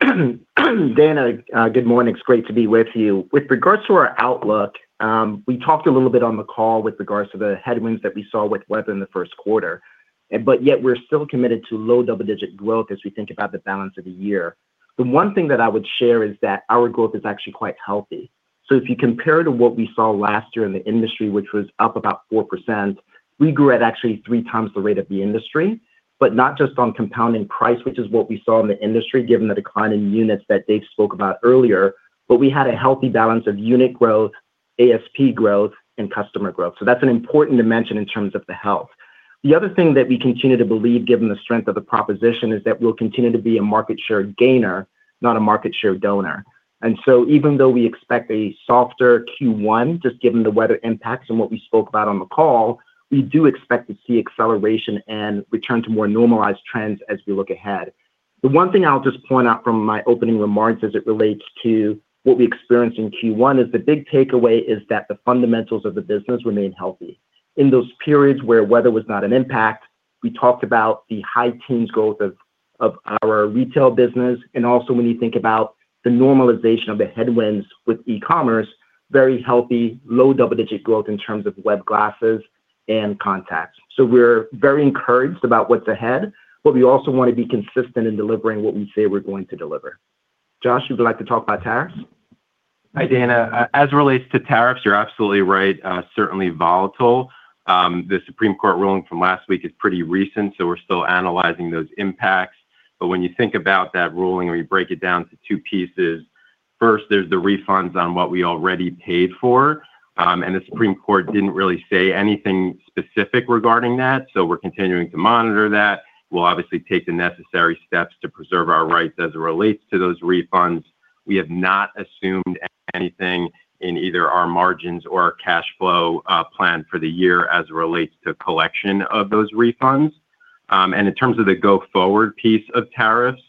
Dana, good morning. It's great to be with you. With regards to our outlook, we talked a little bit on the call with regards to the headwinds that we saw with weather in the first quarter. Yet, we're still committed to low double-digit growth as we think about the balance of the year. The one thing that I would share is that our growth is actually quite healthy. If you compare to what we saw last year in the industry, which was up about 4%, we grew at actually 3x the rate of the industry, but not just on compounding price, which is what we saw in the industry, given the decline in units that Dave spoke about earlier, but we had a healthy balance of unit growth, ASP growth, and customer growth. That's an important dimension in terms of the health. The other thing that we continue to believe, given the strength of the proposition, is that we'll continue to be a market share gainer, not a market share donor. Even though we expect a softer Q1, just given the weather impacts and what we spoke about on the call, we do expect to see acceleration and return to more normalized trends as we look ahead. The one thing I'll just point out from my opening remarks as it relates to what we experienced in Q1, is the big takeaway is that the fundamentals of the business remain healthy. In those periods where weather was not an impact, we talked about the high teens growth of our retail business, and also when you think about the normalization of the headwinds with e-commerce, very healthy, low double-digit growth in terms of web glasses and contacts. We're very encouraged about what's ahead, but we also want to be consistent in delivering what we say we're going to deliver. Josh, would you like to talk about tariffs? Hi, Dana. as it relates to tariffs, you're absolutely right, certainly volatile. The Supreme Court ruling from last week is pretty recent, so we're still analyzing those impacts. When you think about that ruling, or you break it down to two pieces, first, there's the refunds on what we already paid for, the Supreme Court didn't really say anything specific regarding that, so we're continuing to monitor that. We'll obviously take the necessary steps to preserve our rights as it relates to those refunds. We have not assumed anything in either our margins or our cash flow, plan for the year as it relates to collection of those refunds. In terms of the go-forward piece of tariffs,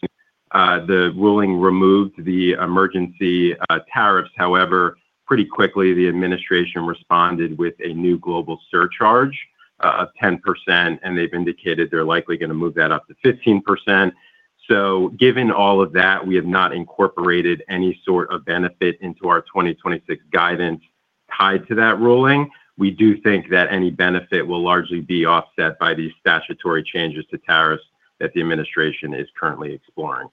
the ruling removed the emergency, tariffs. Pretty quickly, the administration responded with a new global surcharge of 10%, and they've indicated they're likely going to move that up to 15%. Given all of that, we have not incorporated any sort of benefit into our 2026 guidance tied to that ruling. We do think that any benefit will largely be offset by these statutory changes to tariffs that the administration is currently exploring.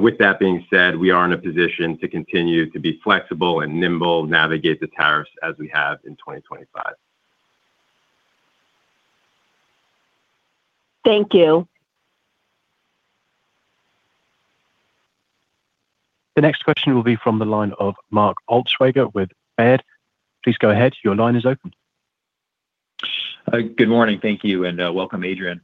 With that being said, we are in a position to continue to be flexible and nimble, navigate the tariffs as we have in 2025. Thank you. The next question will be from the line of Mark Altschwager with Baird. Please go ahead. Your line is open. Good morning. Thank you, and welcome, Adrian.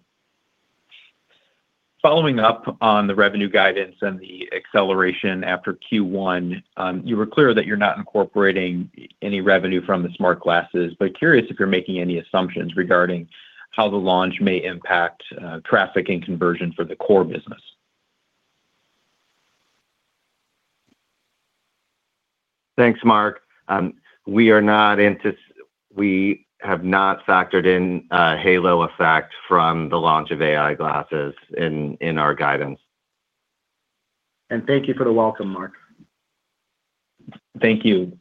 Following up on the revenue guidance and the acceleration after Q1, you were clear that you're not incorporating any revenue from the smart glasses, but curious if you're making any assumptions regarding how the launch may impact, traffic and conversion for the core business? Thanks, Mark. We have not factored in a halo effect from the launch of AI glasses in our guidance. Thank you for the welcome, Mark. Thank you.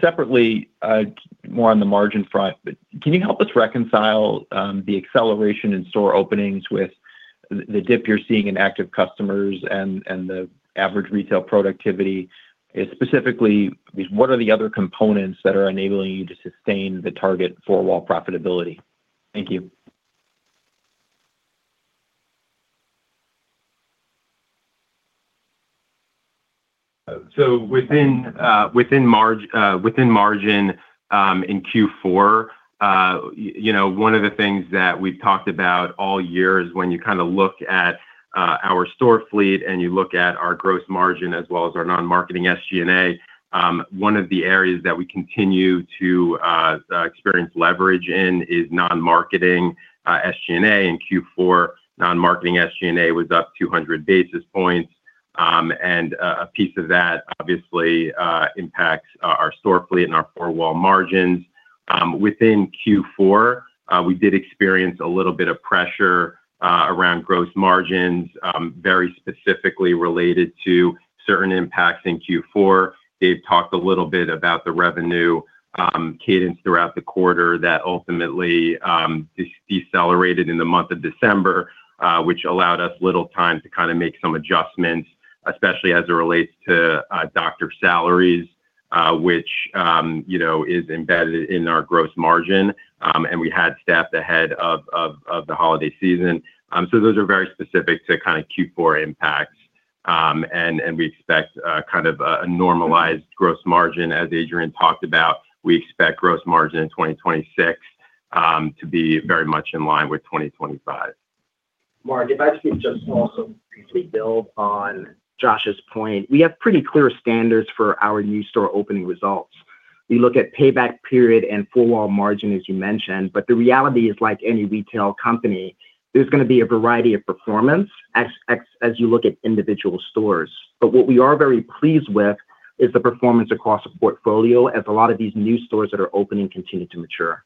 Separately, more on the margin front, can you help us reconcile the acceleration in store openings with the dip you're seeing in active customers and the average retail productivity? Specifically, what are the other components that are enabling you to sustain the target four-wall profitability? Thank you. Within margin, in Q4, you know, one of the things that we've talked about all year is when you kind of look at our store fleet and you look at our gross margin as well as our non-marketing SG&A, one of the areas that we continue to experience leverage in is non-marketing SG&A. In Q4, non-marketing SG&A was up 200 basis points, a piece of that obviously impacts our store fleet and our four-wall margins. Within Q4, we did experience a little bit of pressure around gross margins, very specifically related to certain impacts in Q4. Dave talked a little bit about the revenue cadence throughout the quarter that ultimately decelerated in the month of December, which allowed us little time to kind of make some adjustments, especially as it relates to doctor salaries, which, you know, is embedded in our gross margin, and we had staffed ahead of the holiday season. Those are very specific to kind of Q4 impacts, and we expect kind of a normalized gross margin. As Adrian talked about, we expect gross margin in 2026 to be very much in line with 2025. Mark, if I could just also briefly build on Josh's point, we have pretty clear standards for our new store opening results. We look at payback period and four-wall margins, as you mentioned, the reality is like any retail company, there's gonna be a variety of performance as you look at individual stores. What we are very pleased with is the performance across the portfolio, as a lot of these new stores that are opening continue to mature.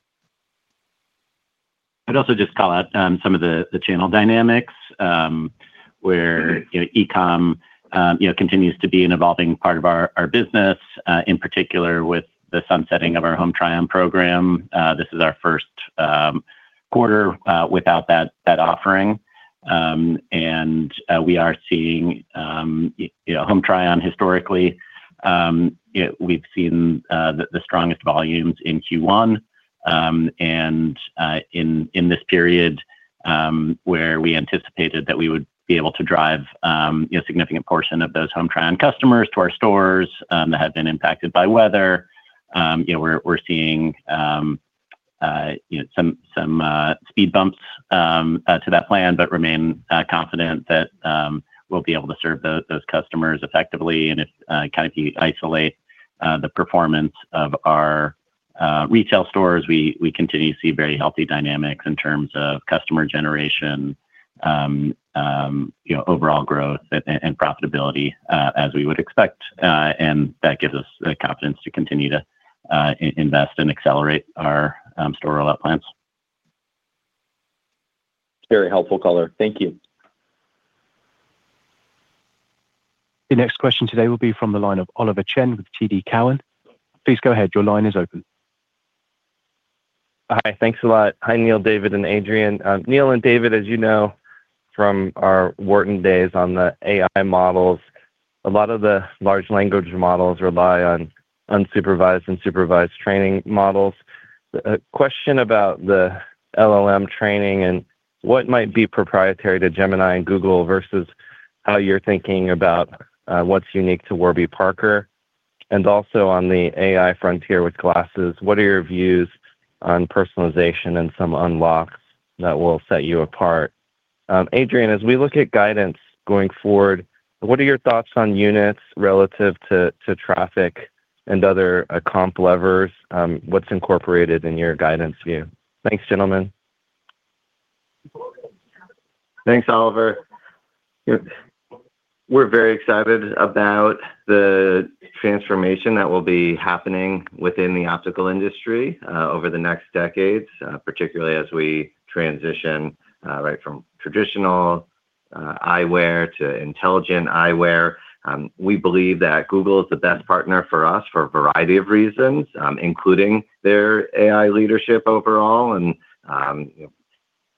I'd also just call out, some of the channel dynamics, where, you know, e-com, you know, continues to be an evolving part of our business, in particular with the sunsetting of our Home Try-On program. This is our first quarter without that offering. We are seeing, you know, Home Try-On historically, we've seen, the strongest volumes in Q1. In this period, where we anticipated that we would be able to drive, you know, a significant portion of those Home Try-On customers to our stores, that have been impacted by weather, you know, we're seeing, you know, some speed bumps to that plan, but remain confident that we'll be able to serve those customers effectively. If kind of you isolate the performance of our retail stores, we continue to see very healthy dynamics in terms of customer generation, you know, overall growth and profitability, as we would expect, and that gives us the confidence to continue to invest and accelerate our store rollout plans. Very helpful color. Thank you. The next question today will be from the line of Oliver Chen with TD Cowen. Please go ahead. Your line is open. Hi, thanks a lot. Hi, Neil, David, and Adrian. Neil and David, as you know from our Wharton days on the AI models, a lot of the large language models rely on unsupervised and supervised training models. A question about the LLM training and what might be proprietary to Gemini and Google versus how you're thinking about what's unique to Warby Parker? Also on the AI frontier with glasses, what are your views on personalization and some unlocks that will set you apart? Adrian, as we look at guidance going forward, what are your thoughts on units relative to traffic and other comp levers? What's incorporated in your guidance view? Thanks, gentlemen. Thanks, Oliver. We're very excited about the transformation that will be happening within the optical industry, over the next decades, particularly as we transition, right, from traditional, eyewear to intelligent eyewear. We believe that Google is the best partner for us for a variety of reasons, including their AI leadership overall, and, you know....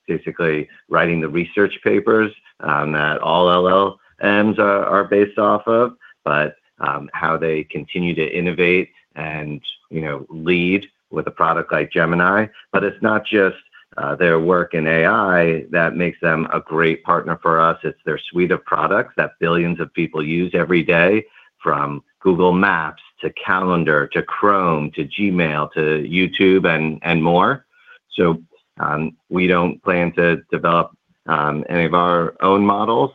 basically writing the research papers that all LLMs are based off of, how they continue to innovate and, you know, lead with a product like Gemini. It's not just their work in AI that makes them a great partner for us, it's their suite of products that billions of people use every day, from Google Maps to Calendar, to Chrome, to Gmail, to YouTube, and more. We don't plan to develop any of our own models,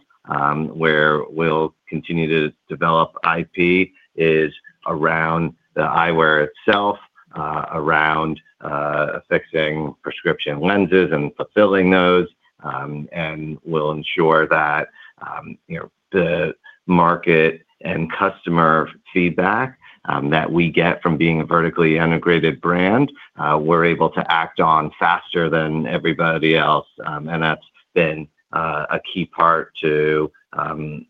where we'll continue to develop IP, is around the eyewear itself, around fixing prescription lenses and fulfilling those. We'll ensure that, you know, the market and customer feedback that we get from being a vertically integrated brand, we're able to act on faster than everybody else. That's been a key part to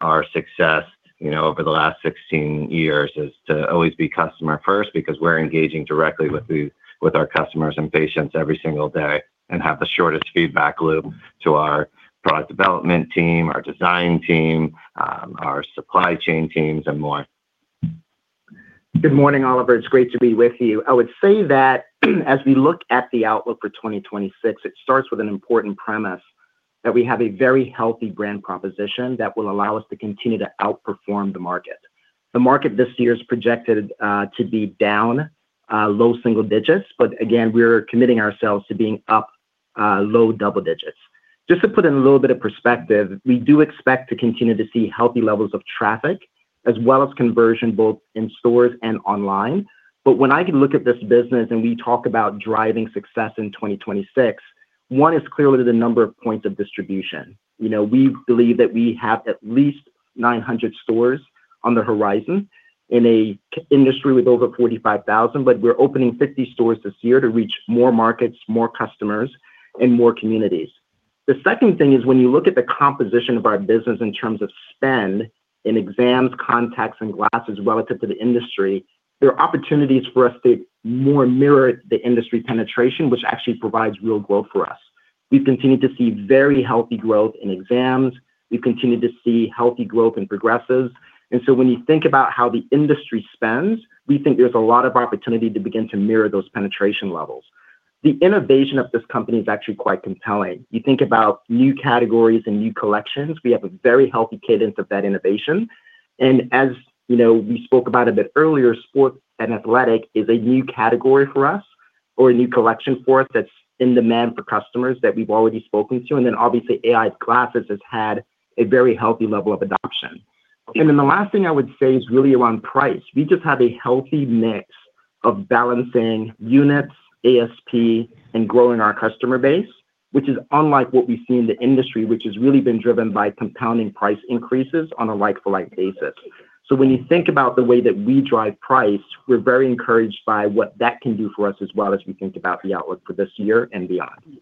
our success, you know, over the last 16 years, is to always be customer first, because we're engaging directly with our customers and patients every single day, and have the shortest feedback loop to our product development team, our design team, our supply chain teams, and more. Good morning, Oliver. It's great to be with you. I would say that as we look at the outlook for 2026, it starts with an important premise, that we have a very healthy brand proposition that will allow us to continue to outperform the market. The market this year is projected to be down low single digits, but again, we're committing ourselves to being up low double digits. Just to put in a little bit of perspective, we do expect to continue to see healthy levels of traffic, as well as conversion, both in stores and online. When I look at this business and we talk about driving success in 2026, one is clearly the number of points of distribution. You know, we believe that we have at least 900 stores on the horizon in a industry with over 45,000, but we're opening 50 stores this year to reach more markets, more customers, and more communities. The second thing is, when you look at the composition of our business in terms of spend in exams, contacts, and glasses relative to the industry, there are opportunities for us to more mirror the industry penetration, which actually provides real growth for us. We've continued to see very healthy growth in exams. We've continued to see healthy growth in progressives. When you think about how the industry spends, we think there's a lot of opportunity to begin to mirror those penetration levels. The innovation of this company is actually quite compelling. You think about new categories and new collections, we have a very healthy cadence of that innovation. As you know, we spoke about a bit earlier, sports and athletic is a new category for us or a new collection for us that's in demand for customers that we've already spoken to. Obviously, AI glasses has had a very healthy level of adoption. The last thing I would say is really around price. We just have a healthy mix of balancing units, ASP, and growing our customer base, which is unlike what we see in the industry, which has really been driven by compounding price increases on a like-for-like basis. When you think about the way that we drive price, we're very encouraged by what that can do for us as well as we think about the outlook for this year and beyond.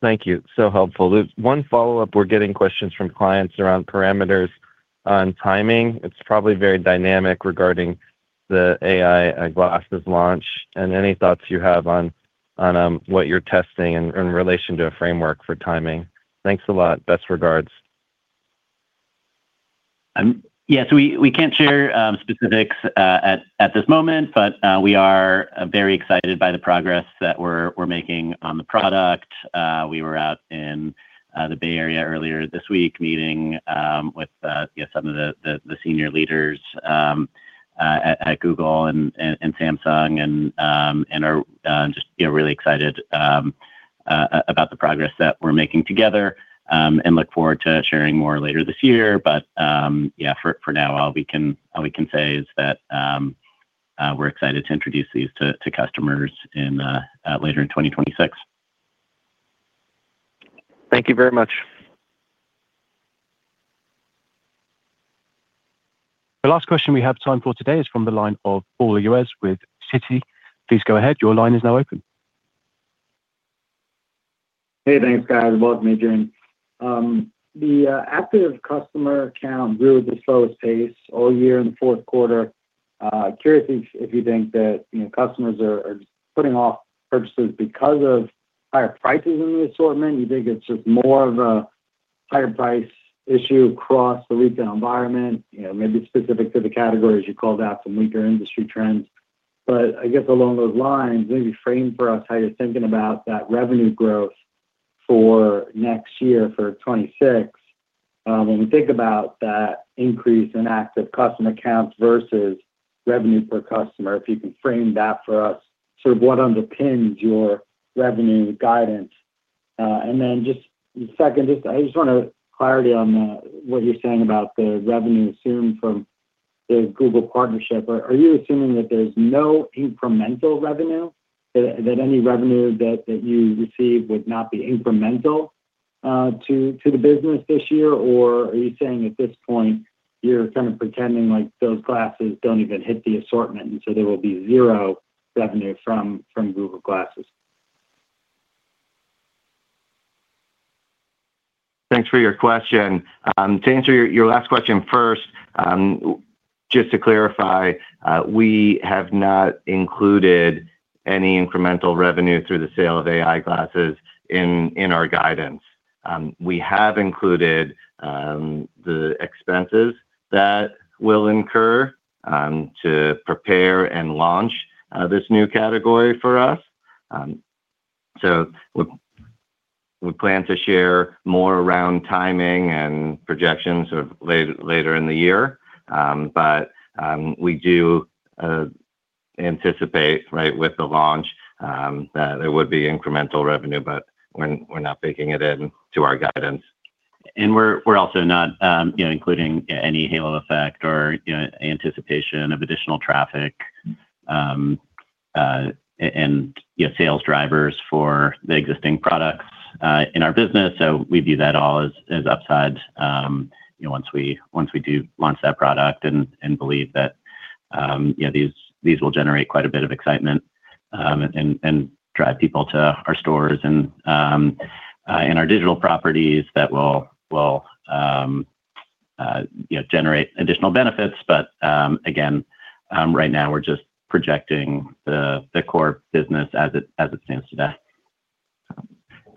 Thank you. Helpful. There's one follow-up. We're getting questions from clients around parameters on timing. It's probably very dynamic regarding the AI glasses launch, Any thoughts you have on what you're testing in relation to a framework for timing. Thanks a lot. Best regards. Yes, we can't share specifics at this moment, but we are very excited by the progress that we're making on the product. We were out in the Bay Area earlier this week, meeting with some of the senior leaders at Google and Samsung, and are just, yeah, really excited about the progress that we're making together and look forward to sharing more later this year. Yeah, for now, all we can say is that we're excited to introduce these to customers later in 2026. Thank you very much. The last question we have time for today is from the line of Paul Lejuez with Citi. Please go ahead. Your line is now open. Hey, thanks, guys. Welcome, everyone. The active customer count grew at the slowest pace all year in the fourth quarter. Curious if you think that, you know, customers are putting off purchases because of higher prices in the assortment? You think it's just more of a higher price issue across the retail environment, you know, maybe specific to the categories you called out some weaker industry trends? I guess along those lines, maybe frame for us how you're thinking about that revenue growth for next year, for 2026. When we think about that increase in active customer accounts versus revenue per customer, if you can frame that for us, sort of what underpins your revenue guidance? Then just second, I just want to clarity on what you're saying about the revenue assumed from the Google partnership. Are you assuming that there's no incremental revenue? That any revenue that you receive would not be incremental to the business this year? Are you saying at this point, you're kind of pretending like those glasses don't even hit the assortment, and so there will be zero revenue from Google Glasses? Thanks for your question. To answer your last question first, just to clarify, we have not included any incremental revenue through the sale of AI glasses in our guidance. We have included the expenses that we'll incur to prepare and launch this new category for us. We plan to share more around timing and projections sort of later in the year. We do anticipate, right, with the launch, that there would be incremental revenue, but we're not baking it into our guidance. We're also not, you know, including any halo effect or, you know, anticipation of additional traffic, and, you know, sales drivers for the existing products, in our business. We view that all as upside, you know, once we do launch that product and believe that, yeah, these will generate quite a bit of excitement, and drive people to our stores and our digital properties that will, you know, generate additional benefits. Again, right now we're just projecting the core business as it stands today.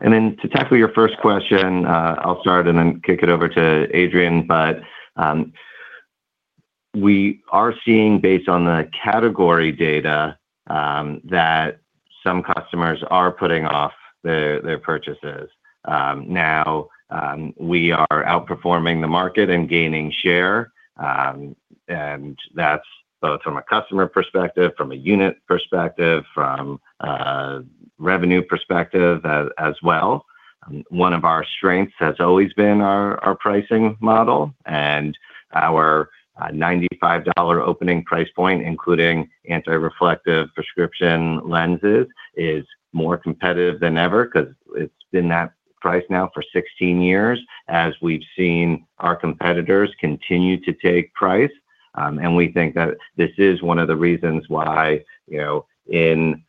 To tackle your first question, I'll start and then kick it over to Adrian. We are seeing, based on the category data, that some customers are putting off their purchases. Now, we are outperforming the market and gaining share, and that's both from a customer perspective, from a unit perspective, from a revenue perspective as well. One of our strengths has always been our pricing model, and our $95 opening price point, including anti-reflective prescription lenses, is more competitive than ever because it's been that price now for 16 years, as we've seen our competitors continue to take price. We think that this is one of the reasons why, you know, in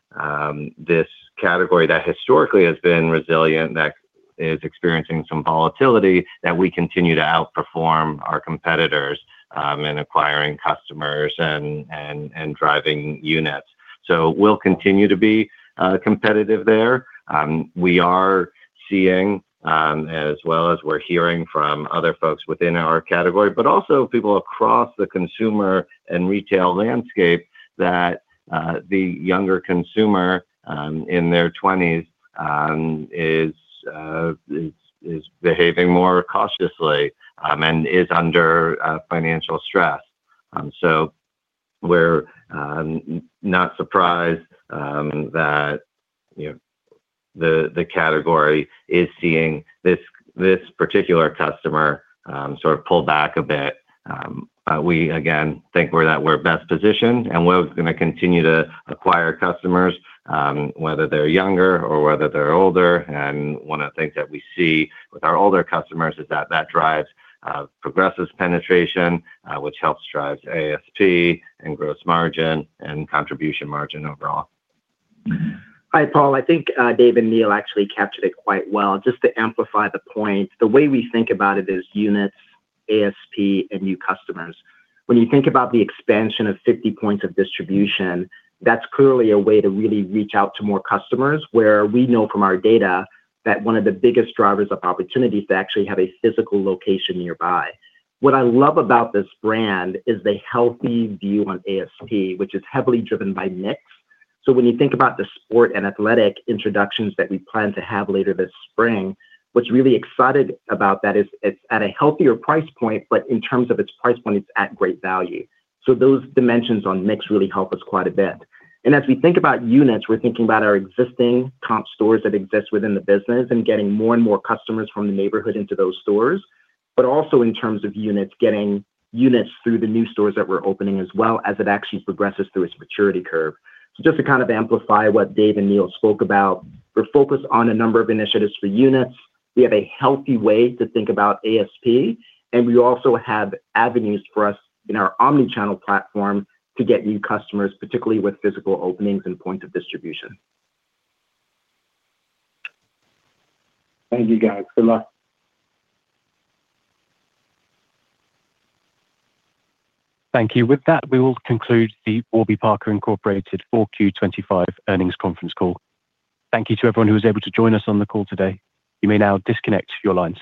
this category that historically has been resilient, that is experiencing some volatility, that we continue to outperform our competitors in acquiring customers and driving units. We'll continue to be competitive there. We are seeing as well as we're hearing from other folks within our category, but also people across the consumer and retail landscape, that the younger consumer in their 20s is behaving more cautiously and is under financial stress. We're not surprised that, you know, the category is seeing this particular customer sort of pull back a bit. We, again, think we're best positioned, and we're going to continue to acquire customers, whether they're younger or whether they're older. One of the things that we see with our older customers is that drives progressive penetration, which helps drive ASP and gross margin and contribution margin overall. Hi, Paul. I think Dave and Neil actually captured it quite well. Just to amplify the point, the way we think about it is units, ASP, and new customers. When you think about the expansion of 50 points of distribution, that's clearly a way to really reach out to more customers, where we know from our data that one of the biggest drivers of opportunity is to actually have a physical location nearby. What I love about this brand is the healthy view on ASP, which is heavily driven by mix. When you think about the sport and athletic introductions that we plan to have later this spring, what's really exciting about that is it's at a healthier price point, but in terms of its price point, it's at great value. Those dimensions on mix really help us quite a bit. As we think about units, we're thinking about our existing comp stores that exist within the business and getting more and more customers from the neighborhood into those stores, but also in terms of units, getting units through the new stores that we're opening, as well as it actually progresses through its maturity curve. Just to kind of amplify what Dave and Neil spoke about, we're focused on a number of initiatives for units. We have a healthy way to think about ASP, and we also have avenues for us in our omni-channel platform to get new customers, particularly with physical openings and point of distribution. Thank you, guys. Good luck. Thank you. With that, we will conclude the Warby Parker Inc. Q4 2025 earnings conference call. Thank you to everyone who was able to join us on the call today. You may now disconnect your lines.